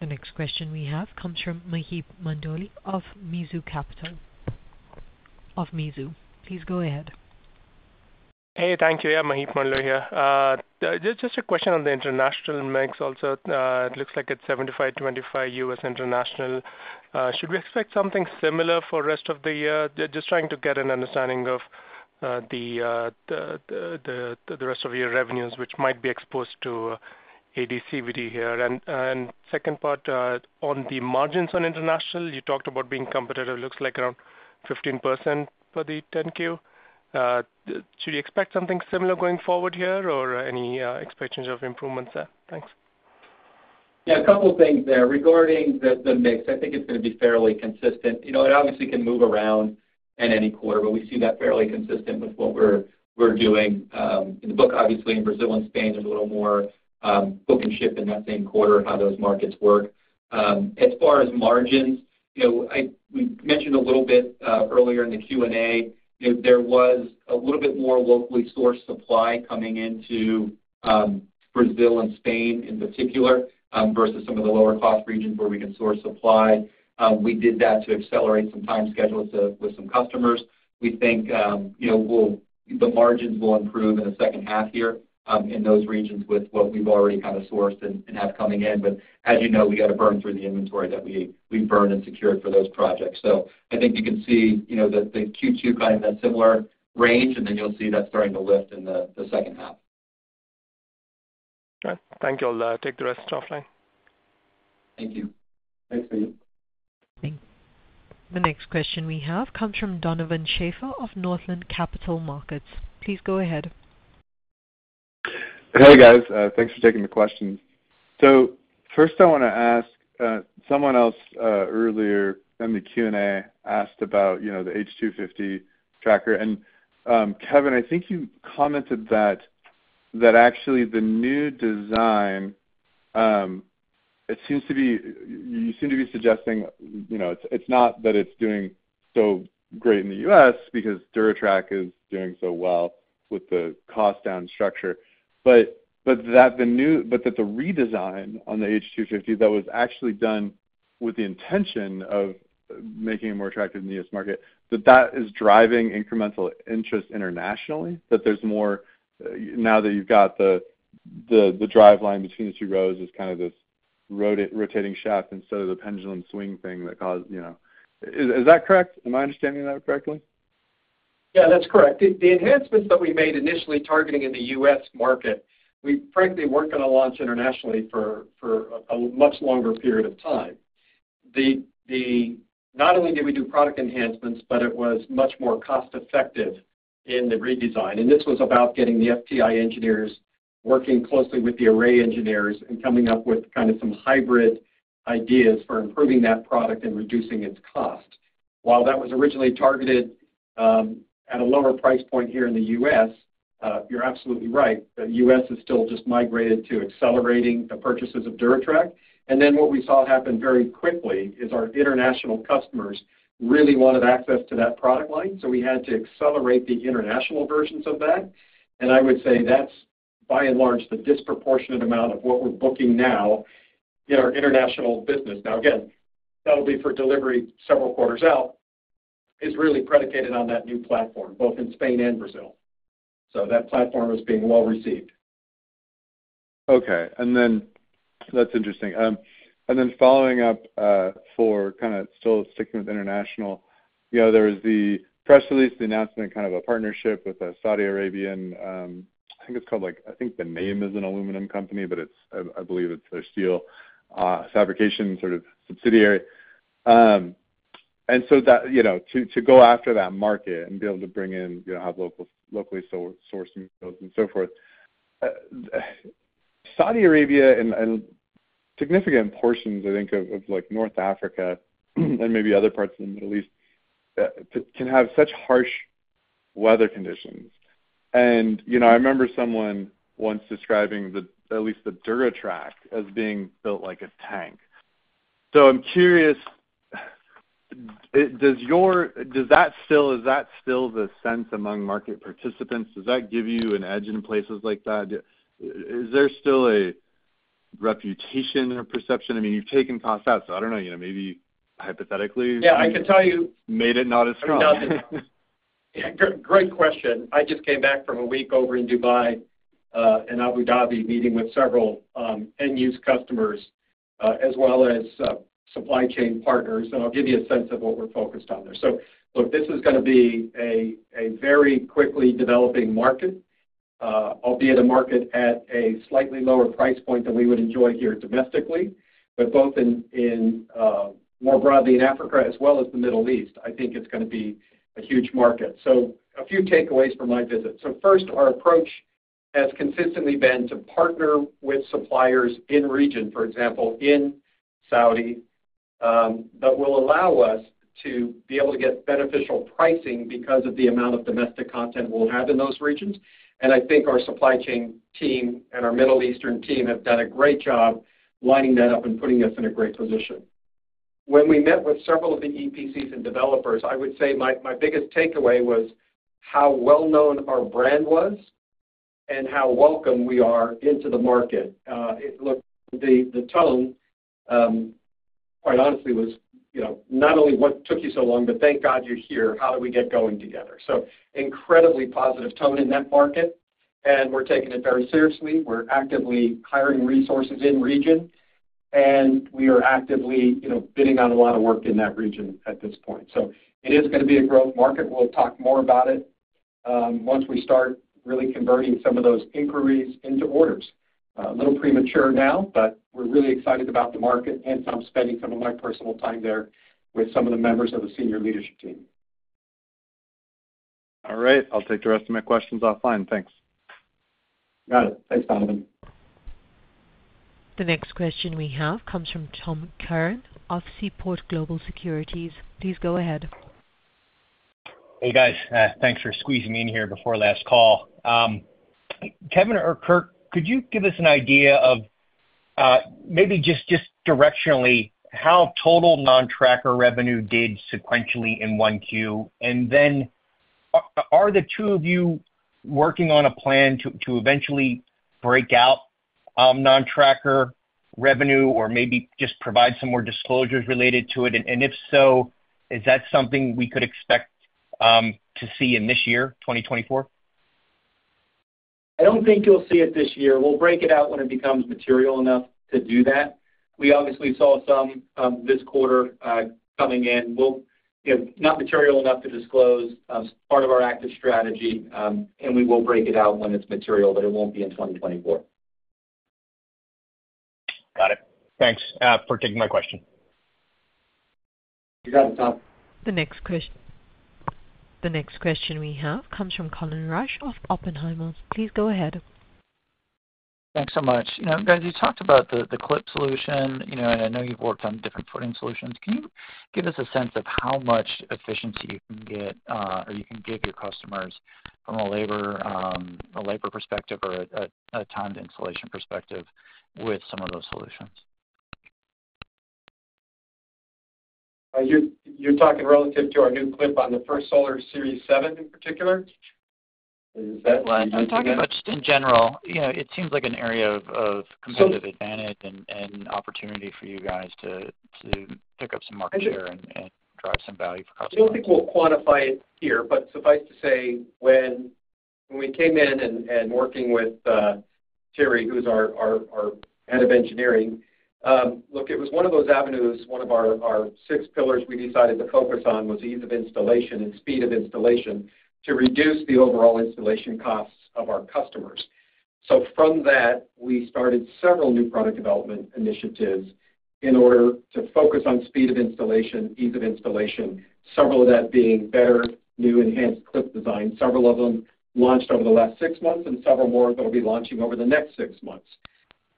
A: the next question we have comes from Maheep Mandloi of Mizuho. Please go ahead.
N: Hey, thank you. Yeah, Maheep Mandloi here. Just a question on the international mix also. It looks like it's 75-25 U.S.-international. Should we expect something similar for the rest of the year? Just trying to get an understanding of the rest of your revenues, which might be exposed to AD/CVD here. Second part, on the margins on international, you talked about being competitive. It looks like around 15% for the 10-Q. Should we expect something similar going forward here, or any expectations of improvements there? Thanks.
C: Yeah, a couple of things there. Regarding the mix, I think it's gonna be fairly consistent. You know, it obviously can move around in any quarter, but we see that fairly consistent with what we're doing. In the book, obviously, in Brazil and Spain, there's a little more book and ship in that same quarter, how those markets work. As far as margins, you know, we mentioned a little bit earlier in the Q&A, that there was a little bit more locally sourced supply coming into Brazil and Spain, in particular, versus some of the lower-cost regions where we can source supply. We did that to accelerate some time schedules with some customers. We think, you know, the margins will improve in the second half here, in those regions with what we've already kind of sourced and have coming in. But as you know, we got to burn through the inventory that we burned and secured for those projects. So I think you can see, you know, the Q2 kind of that similar range, and then you'll see that starting to lift in the second half.
N: All right. Thank you. I'll take the rest offline.
C: Thank you.
A: The next question we have comes from Donovan Schafer of Northland Capital Markets. Please go ahead.
O: Hey, guys, thanks for taking the questions. So first I wanna ask, someone else earlier in the Q&A asked about, you know, the H250 tracker. And, Kevin, I think you commented that actually the new design it seems to be, you seem to be suggesting, you know, it's not that it's doing so great in the U.S. because DuraTrack is doing so well with the cost-down structure, but that the redesign on the H250 that was actually done with the intention of making it more attractive in the U.S. market, that that is driving incremental interest internationally. That there's more, now that you've got the driveline between the two rows is kind of this rotating shaft instead of the pendulum swing thing that caused, you know. Is that correct? Am I understanding that correctly?
C: Yeah, that's correct. The enhancements that we made initially targeting in the U.S. market, we frankly weren't gonna launch internationally for a much longer period of time. Not only did we do product enhancements, but it was much more cost-effective in the redesign, and this was about getting the STI engineers working closely with the Array engineers and coming up with kind of some hybrid ideas for improving that product and reducing its cost. While that was originally targeted at a lower price point here in the U.S., you're absolutely right, the U.S. has still just migrated to accelerating the purchases of DuraTrack. And then what we saw happen very quickly is our international customers really wanted access to that product line, so we had to accelerate the international versions of that. I would say that's, by and large, the disproportionate amount of what we're booking now in our international business. Now, again, that'll be for delivery several quarters out, is really predicated on that new platform, both in Spain and Brazil, so that platform is being well received.
O: Okay. And then, that's interesting. And then following up, for kind of still sticking with international, you know, there was the press release, the announcement, kind of a partnership with a Saudi Arabian, I think it's called, like, I think the name is an aluminum company, but it's, I, I believe it's a steel, fabrication sort of subsidiary. And so that, you know, to go after that market and be able to bring in, you know, have locally sourced materials and so forth. Saudi Arabia and significant portions, I think, of like North Africa, and maybe other parts of the Middle East, can have such harsh weather conditions. And, you know, I remember someone once describing the, at least the DuraTrack, as being built like a tank. So I'm curious, is that still the sense among market participants? Does that give you an edge in places like that? Is there still a reputation or perception? I mean, you've taken costs out, so I don't know, you know, maybe hypothetically- <crosstalk>
C: Yeah, I can tell you- <crosstalk>
O: Made it not as strong.
C: Yeah, great question. I just came back from a week over in Dubai and Abu Dhabi, meeting with several end-use customers as well as supply chain partners, and I'll give you a sense of what we're focused on there. So, look, this is gonna be a very quickly developing market, albeit a market at a slightly lower price point than we would enjoy here domestically. But both in more broadly in Africa as well as the Middle East, I think it's gonna be a huge market. So a few takeaways from my visit. So first, our approach has consistently been to partner with suppliers in region, for example, in Saudi, that will allow us to be able to get beneficial pricing because of the amount of domestic content we'll have in those regions. I think our supply chain team and our Middle Eastern team have done a great job lining that up and putting us in a great position. When we met with several of the EPCs and developers, I would say my biggest takeaway was how well-known our brand was and how welcome we are into the market. Look, the tone, quite honestly, was, you know, not only, "What took you so long?" but, "Thank God you're here. How do we get going together?" So incredibly positive tone in that market, and we're taking it very seriously. We're actively hiring resources in region, and we are actively, you know, bidding on a lot of work in that region at this point. So it is gonna be a growth market. We'll talk more about it, once we start really converting some of those inquiries into orders. A little premature now, but we're really excited about the market, and so I'm spending some of my personal time there with some of the members of the senior leadership team.
O: All right, I'll take the rest of my questions offline. Thanks.
C: Got it. Thanks, Donovan.
A: The next question we have comes from Tom Curran of Seaport Global Securities. Please go ahead.
P: Hey, guys. Thanks for squeezing me in here before last call. Kevin or Kurt, could you give us an idea of, maybe just directionally, how total non-tracker revenue did sequentially in 1Q? And then, are the two of you working on a plan to eventually break out non-tracker revenue or maybe just provide some more disclosures related to it? And, if so, is that something we could expect to see in this year, 2024?
C: I don't think you'll see it this year. We'll break it out when it becomes material enough to do that. We obviously saw some this quarter coming in. We'll, you know, not material enough to disclose, part of our active strategy, and we will break it out when it's material, but it won't be in 2024.
P: Got it. Thanks, for taking my question.
C: You got it, Tom.
A: The next question we have comes from Colin Rusch of Oppenheimer. Please go ahead.
Q: Thanks so much. You know, guys, you talked about the clip solution, you know, and I know you've worked on different footing solutions. Can you give us a sense of how much efficiency you can get or you can give your customers from a labor perspective or a time to installation perspective with some of those solutions?
C: You're talking relative to our new clamp on the First Solar Series 7 in particular? Is that- <crosstalk>
Q: I'm talking about just in general. You know, it seems like an area of, competitive advantage and opportunity for you guys to pick up some market share and drive some value for customers.
C: I don't think we'll quantify it here, but suffice to say, when we came in and working with Gerry, who's our head of engineering, look, it was one of those avenues, one of our six pillars we decided to focus on was ease of installation and speed of installation to reduce the overall installation costs of our customers. So from that, we started several new product development initiatives in order to focus on speed of installation, ease of installation, several of that being better, new, enhanced clip design. Several of them launched over the last six months, and several more that'll be launching over the next six months.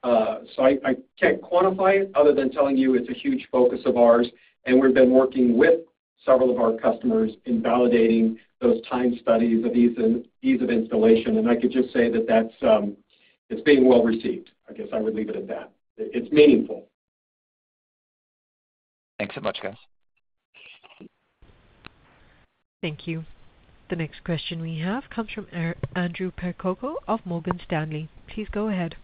C: So I can't quantify it other than telling you it's a huge focus of ours, and we've been working with several of our customers in validating those time studies of ease of installation. I could just say that that's being well received. I guess I would leave it at that. It's meaningful.
Q: Thanks so much, guys.
A: Thank you. The next question we have comes from Andrew Percoco of Morgan Stanley. Please go ahead.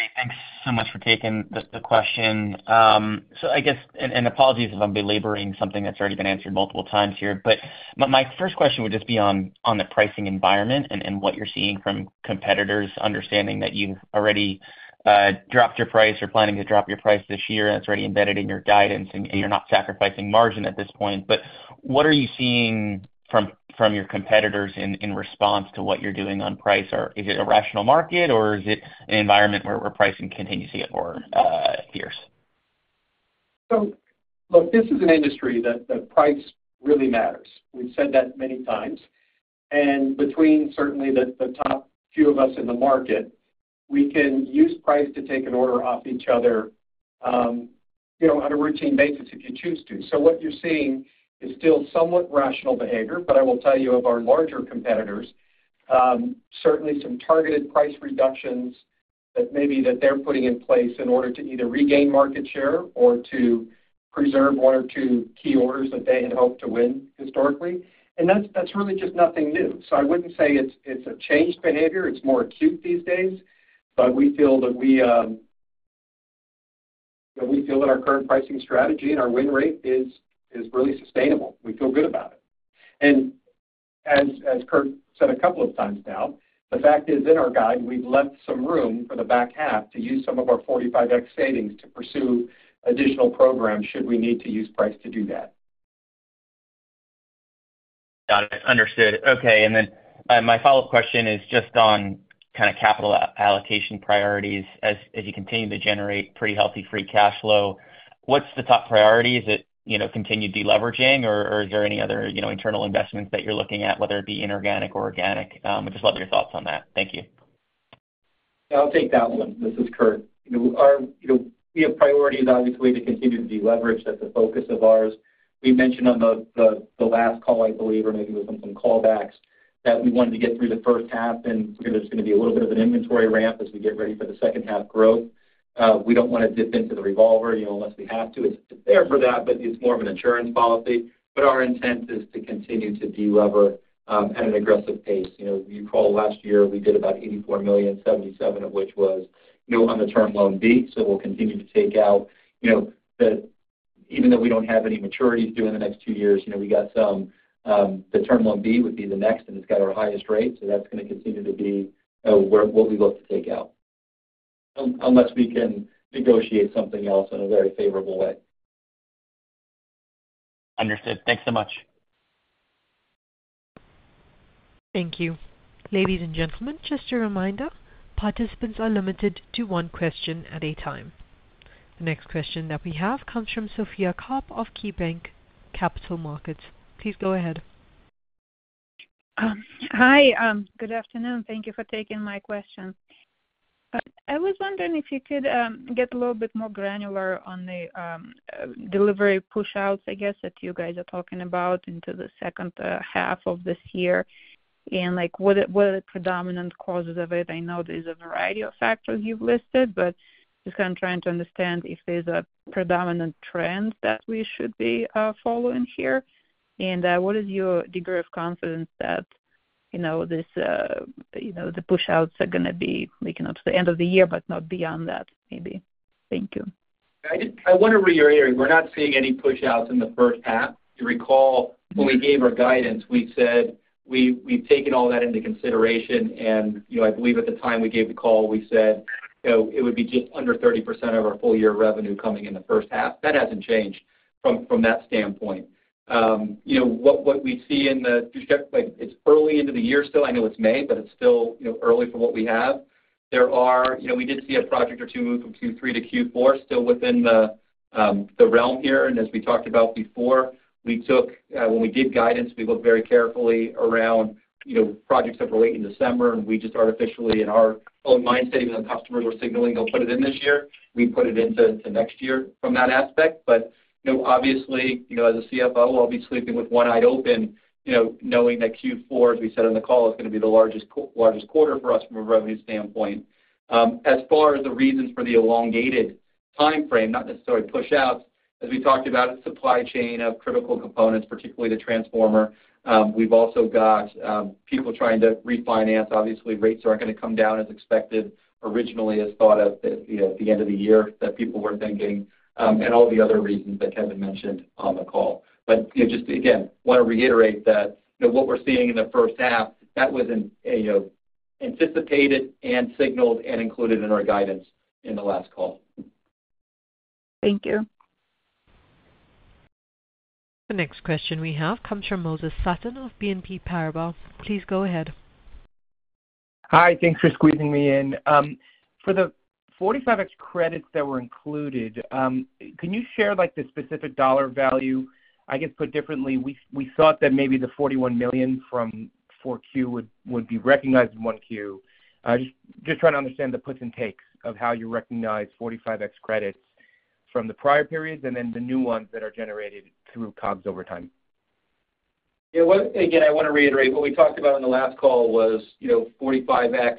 R: Great, thanks so much for taking the question. So I guess, and apologies if I'm belaboring something that's already been answered multiple times here, but my first question would just be on the pricing environment and what you're seeing from competitors, understanding that you've already dropped your price or planning to drop your price this year, and it's already embedded in your guidance, and you're not sacrificing margin at this point. But what are you seeing from your competitors in response to what you're doing on price? Or is it a rational market, or is it an environment where pricing continues to get more fierce?
C: So look, this is an industry that price really matters. We've said that many times. And between certainly the top few of us in the market, we can use price to take an order off each other, you know, on a routine basis if you choose to. So what you're seeing is still somewhat rational behavior, but I will tell you, of our larger competitors, certainly some targeted price reductions that maybe they're putting in place in order to either regain market share or to preserve one or two key orders that they had hoped to win historically. And that's really just nothing new. So I wouldn't say it's a changed behavior. It's more acute these days, but we feel that we feel that our current pricing strategy and our win rate is really sustainable. We feel good about it. And as Kurt said a couple of times now, the fact is, in our guide, we've left some room for the back half to use some of our 45X savings to pursue additional programs, should we need to use price to do that.
R: Got it. Understood. Okay, and then my follow-up question is just on kind of capital allocation priorities. As you continue to generate pretty healthy free cash flow, what's the top priority? Is it, you know, continued deleveraging, or is there any other, you know, internal investments that you're looking at, whether it be inorganic or organic? I'd just love your thoughts on that. Thank you.
D: I'll take that one. This is Kurt. You know, our, you know, we have priorities obviously to continue to deleverage. That's a focus of ours. We mentioned on the last call, I believe, or maybe it was on some call backs, that we wanted to get through the first half, and there's gonna be a little bit of an inventory ramp as we get ready for the second half growth. We don't wanna dip into the revolver, you know, unless we have to. It's there for that, but it's more of an insurance policy. But our intent is to continue to delever at an aggressive pace. You know, you recall last year, we did about $84 million, $77 million of which was, you know, on the Term Loan B, so we'll continue to take out. You know, even though we don't have any maturities due in the next two years, you know, we got some, the Term Loan B would be the next, and it's got our highest rate, so that's gonna continue to be where what we look to take out, unless we can negotiate something else in a very favorable way.
R: Understood. Thanks so much.
A: Thank you. Ladies and gentlemen, just a reminder, participants are limited to one question at a time. The next question that we have comes from Sophie Karp of KeyBanc Capital Markets. Please go ahead.
S: Hi, good afternoon. Thank you for taking my question. I was wondering if you could get a little bit more granular on the delivery pushouts, I guess, that you guys are talking about into the second half of this year, and, like, what are, what are the predominant causes of it? I know there's a variety of factors you've listed, but just I'm trying to understand if there's a predominant trend that we should be following here. And what is your degree of confidence that, you know, this, you know, the pushouts are gonna be making it to the end of the year, but not beyond that, maybe? Thank you.
D: I just want to reiterate, we're not seeing any pushouts in the first half. You recall, when we gave our guidance, we said we've taken all that into consideration. You know, I believe at the time we gave the call, we said, you know, it would be just under 30% of our full-year revenue coming in the first half. That hasn't changed from that standpoint. You know, what we see in the, it's early into the year still. I know it's May, but it's still, you know, early for what we have. You know, we did see a project or two move from Q3 to Q4, still within the realm here. As we talked about before, when we gave guidance, we looked very carefully around, you know, projects that were late in December, and we just artificially, in our own mindset, even when customers were signaling, they'll put it in this year, we put it into, to next year from that aspect. But, you know, obviously, you know, as a CFO, I'll be sleeping with one eye open, you know, knowing that Q4, as we said on the call, is gonna be the largest largest quarter for us from a revenue standpoint. As far as the reasons for the elongated timeframe, not necessarily pushouts, as we talked about, it's supply chain of critical components, particularly the transformer. We've also got people trying to refinance. Obviously, rates aren't gonna come down as expected, originally as thought of, you know, at the end of the year that people were thinking, and all the other reasons that Kevin mentioned on the call. But, you know, just again, wanna reiterate that, you know, what we're seeing in the first half, that was an, you know, anticipated and signaled and included in our guidance in the last call.
S: Thank you.
A: The next question we have comes from Moses Sutton of BNP Paribas. Please go ahead.
T: Hi, thanks for squeezing me in. For the 45X credits that were included, can you share, like, the specific dollar value? I guess, put differently, we thought that maybe the $41 million from 4Q would be recognized in 1Q. Just trying to understand the puts and takes of how you recognize 45X credits from the prior periods and then the new ones that are generated through COGS over time.
D: Yeah, one, again, I wanna reiterate what we talked about on the last call was, you know, 45X, you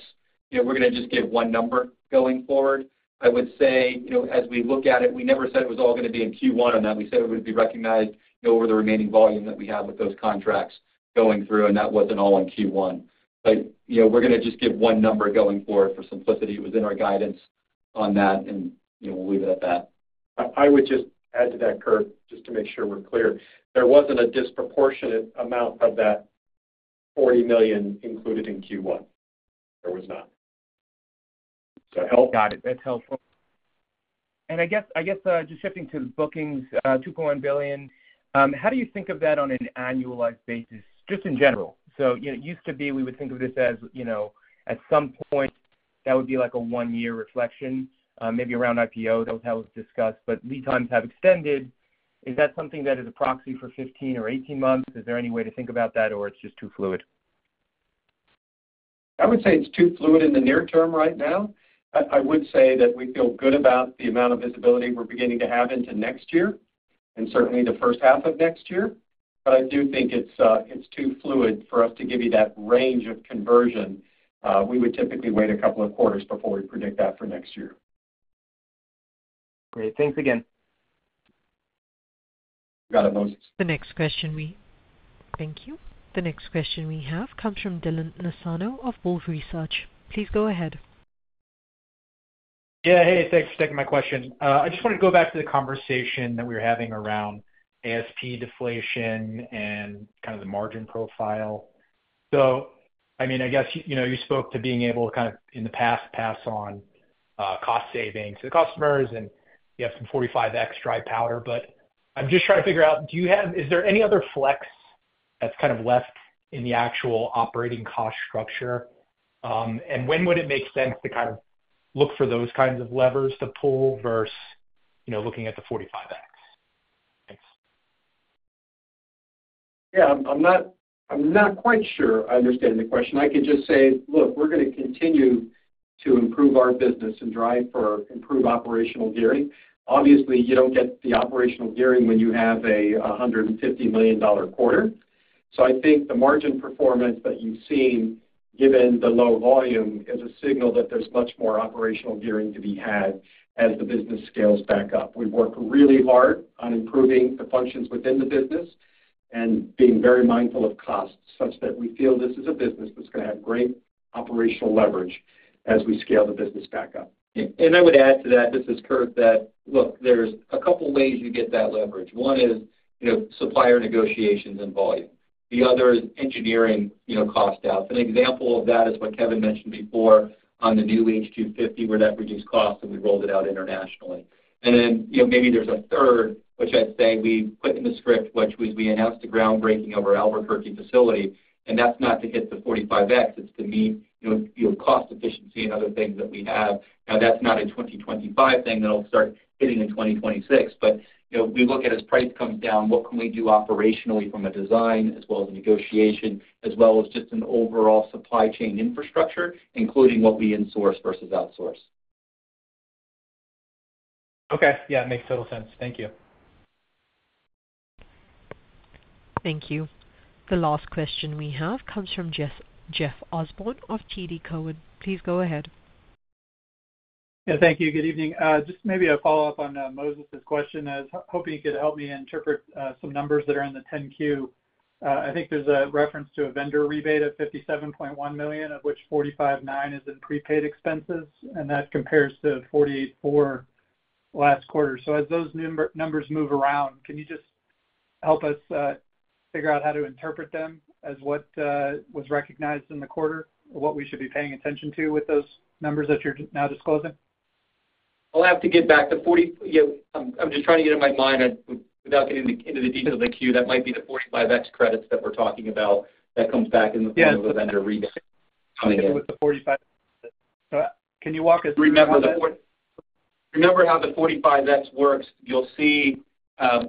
D: know, we're gonna just give one number going forward. I would say, you know, as we look at it, we never said it was all gonna be in Q1 on that. We said it would be recognized over the remaining volume that we have with those contracts going through, and that wasn't all in Q1. But, you know, we're gonna just give one number going forward for simplicity. It was in our guidance on that, and, you know, we'll leave it at that.
C: I would just add to that, Kurt, just to make sure we're clear. There wasn't a disproportionate amount of that $40 million included in Q1. There was not. Does that help?
T: Got it. That's helpful. And I guess, just shifting to the bookings, $2.1 billion, how do you think of that on an annualized basis, just in general? So, you know, it used to be, we would think of this as, you know, at some point, that would be like a one-year reflection, maybe around IPO, that was discussed, but lead times have extended. Is that something that is a proxy for 15 or 18 months? Is there any way to think about that, or it's just too fluid?
D: I would say it's too fluid in the near term right now. I would say that we feel good about the amount of visibility we're beginning to have into next year, and certainly the first half of next year, but I do think it's too fluid for us to give you that range of conversion. We would typically wait a couple of quarters before we predict that for next year.
T: Great. Thanks again.
D: You got it, Moses.
A: Thank you. The next question we have comes from Dylan Nassano of Wolfe Research. Please go ahead.
U: Yeah, hey, thanks for taking my question. I just wanted to go back to the conversation that we were having around ASP deflation and kind of the margin profile. So, I mean, I guess, you know, you spoke to being able to kind of, in the past, pass on cost savings to customers, and you have some 45X dry powder, but I'm just trying to figure out, do you have, is there any other flex that's kind of left in the actual operating cost structure? And when would it make sense to kind of look for those kinds of levers to pull versus, you know, looking at the 45X? Thanks.
C: Yeah, I'm not quite sure I understand the question. I can just say, look, we're gonna continue to improve our business and drive for improved operational gearing. Obviously, you don't get the operational gearing when you have a $150 million quarter. So I think the margin performance that you've seen, given the low volume, is a signal that there's much more operational gearing to be had as the business scales back up. We've worked really hard on improving the functions within the business and being very mindful of costs, such that we feel this is a business that's gonna have great operational leverage as we scale the business back up.
D: I would add to that, this is Kurt. Look, there's a couple ways you get that leverage. One is, you know, supplier negotiations and volume. The other is engineering, you know, cost out. An example of that is what Kevin mentioned before on the new H250, where that reduced cost, and we rolled it out internationally. And then, you know, maybe there's a third, which I'd say we put in the script, which was we announced the groundbreaking of our Albuquerque facility, and that's not to hit the 45X, it's to meet, you know, field cost efficiency and other things that we have. Now, that's not a 2025 thing, that'll start hitting in 2026. You know, we look at, as price comes down, what we can do operationally from a design as well as negotiation, as well as just an overall supply chain infrastructure, including what we insource versus outsource.
U: Okay. Yeah, it makes total sense. Thank you.
A: Thank you. The last question we have comes from Jeff Osborne of TD Cowen. Please go ahead.
V: Yeah, thank you. Good evening. Just maybe a follow-up on Moses's question, as hoping you could help me interpret some numbers that are in the 10-Q. I think there's a reference to a vendor rebate of $57.1 million, of which $45.9 million is in prepaid expenses, and that compares to $48.4 million last quarter. So as those numbers move around, can you just help us figure out how to interpret them as what was recognized in the quarter, or what we should be paying attention to with those numbers that you're now disclosing?
D: I'll have to get back. I'm just trying to get in my mind, without getting into the details of the Q, that might be the 45X credits that we're talking about that comes back in the form <crosstalk> of a vendor rebate.
V: With the 45X. Can you walk us through how that-
D: Remember how the 45X works, you'll see,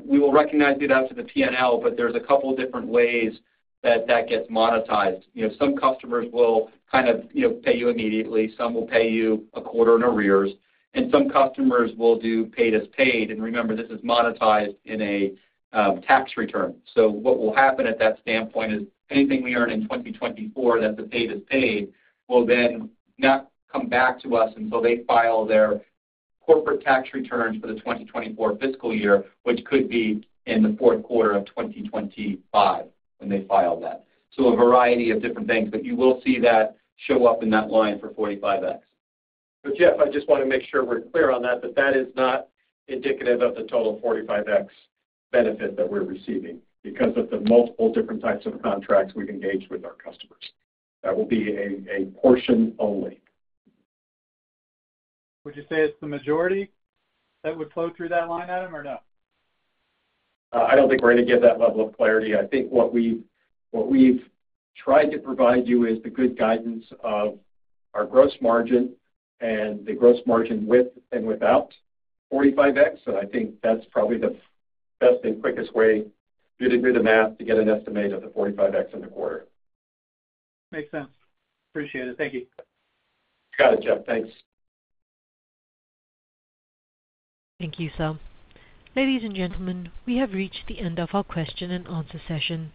D: we will recognize it after the P&L, but there's a couple different ways that that gets monetized. You know, some customers will kind of, you know, pay you immediately, some will pay you a quarter in arrears, and some customers will do paid as paid. And remember, this is monetized in a tax return. So what will happen at that standpoint is anything we earn in 2024 that's the paid as paid, will then not come back to us until they file their corporate tax returns for the 2024 fiscal year, which could be in the Q4 of 2025, when they file that. So a variety of different things, but you will see that show up in that line for 45X.
C: But Jeff, I just want to make sure we're clear on that, that that is not indicative of the total 45X benefit that we're receiving because of the multiple different types of contracts we've engaged with our customers. That will be a portion only.
V: Would you say it's the majority that would flow through that line item, or no?
C: I don't think we're going to give that level of clarity. I think what we've tried to provide you is the good guidance of our gross margin and the gross margin with and without 45X. So I think that's probably the best and quickest way for you to do the math to get an estimate of the 45X in the quarter.
V: Makes sense. Appreciate it. Thank you.
C: Got it, Jeff. Thanks.
A: Thank you, sir. Ladies and gentlemen, we have reached the end of our question-and-answer session.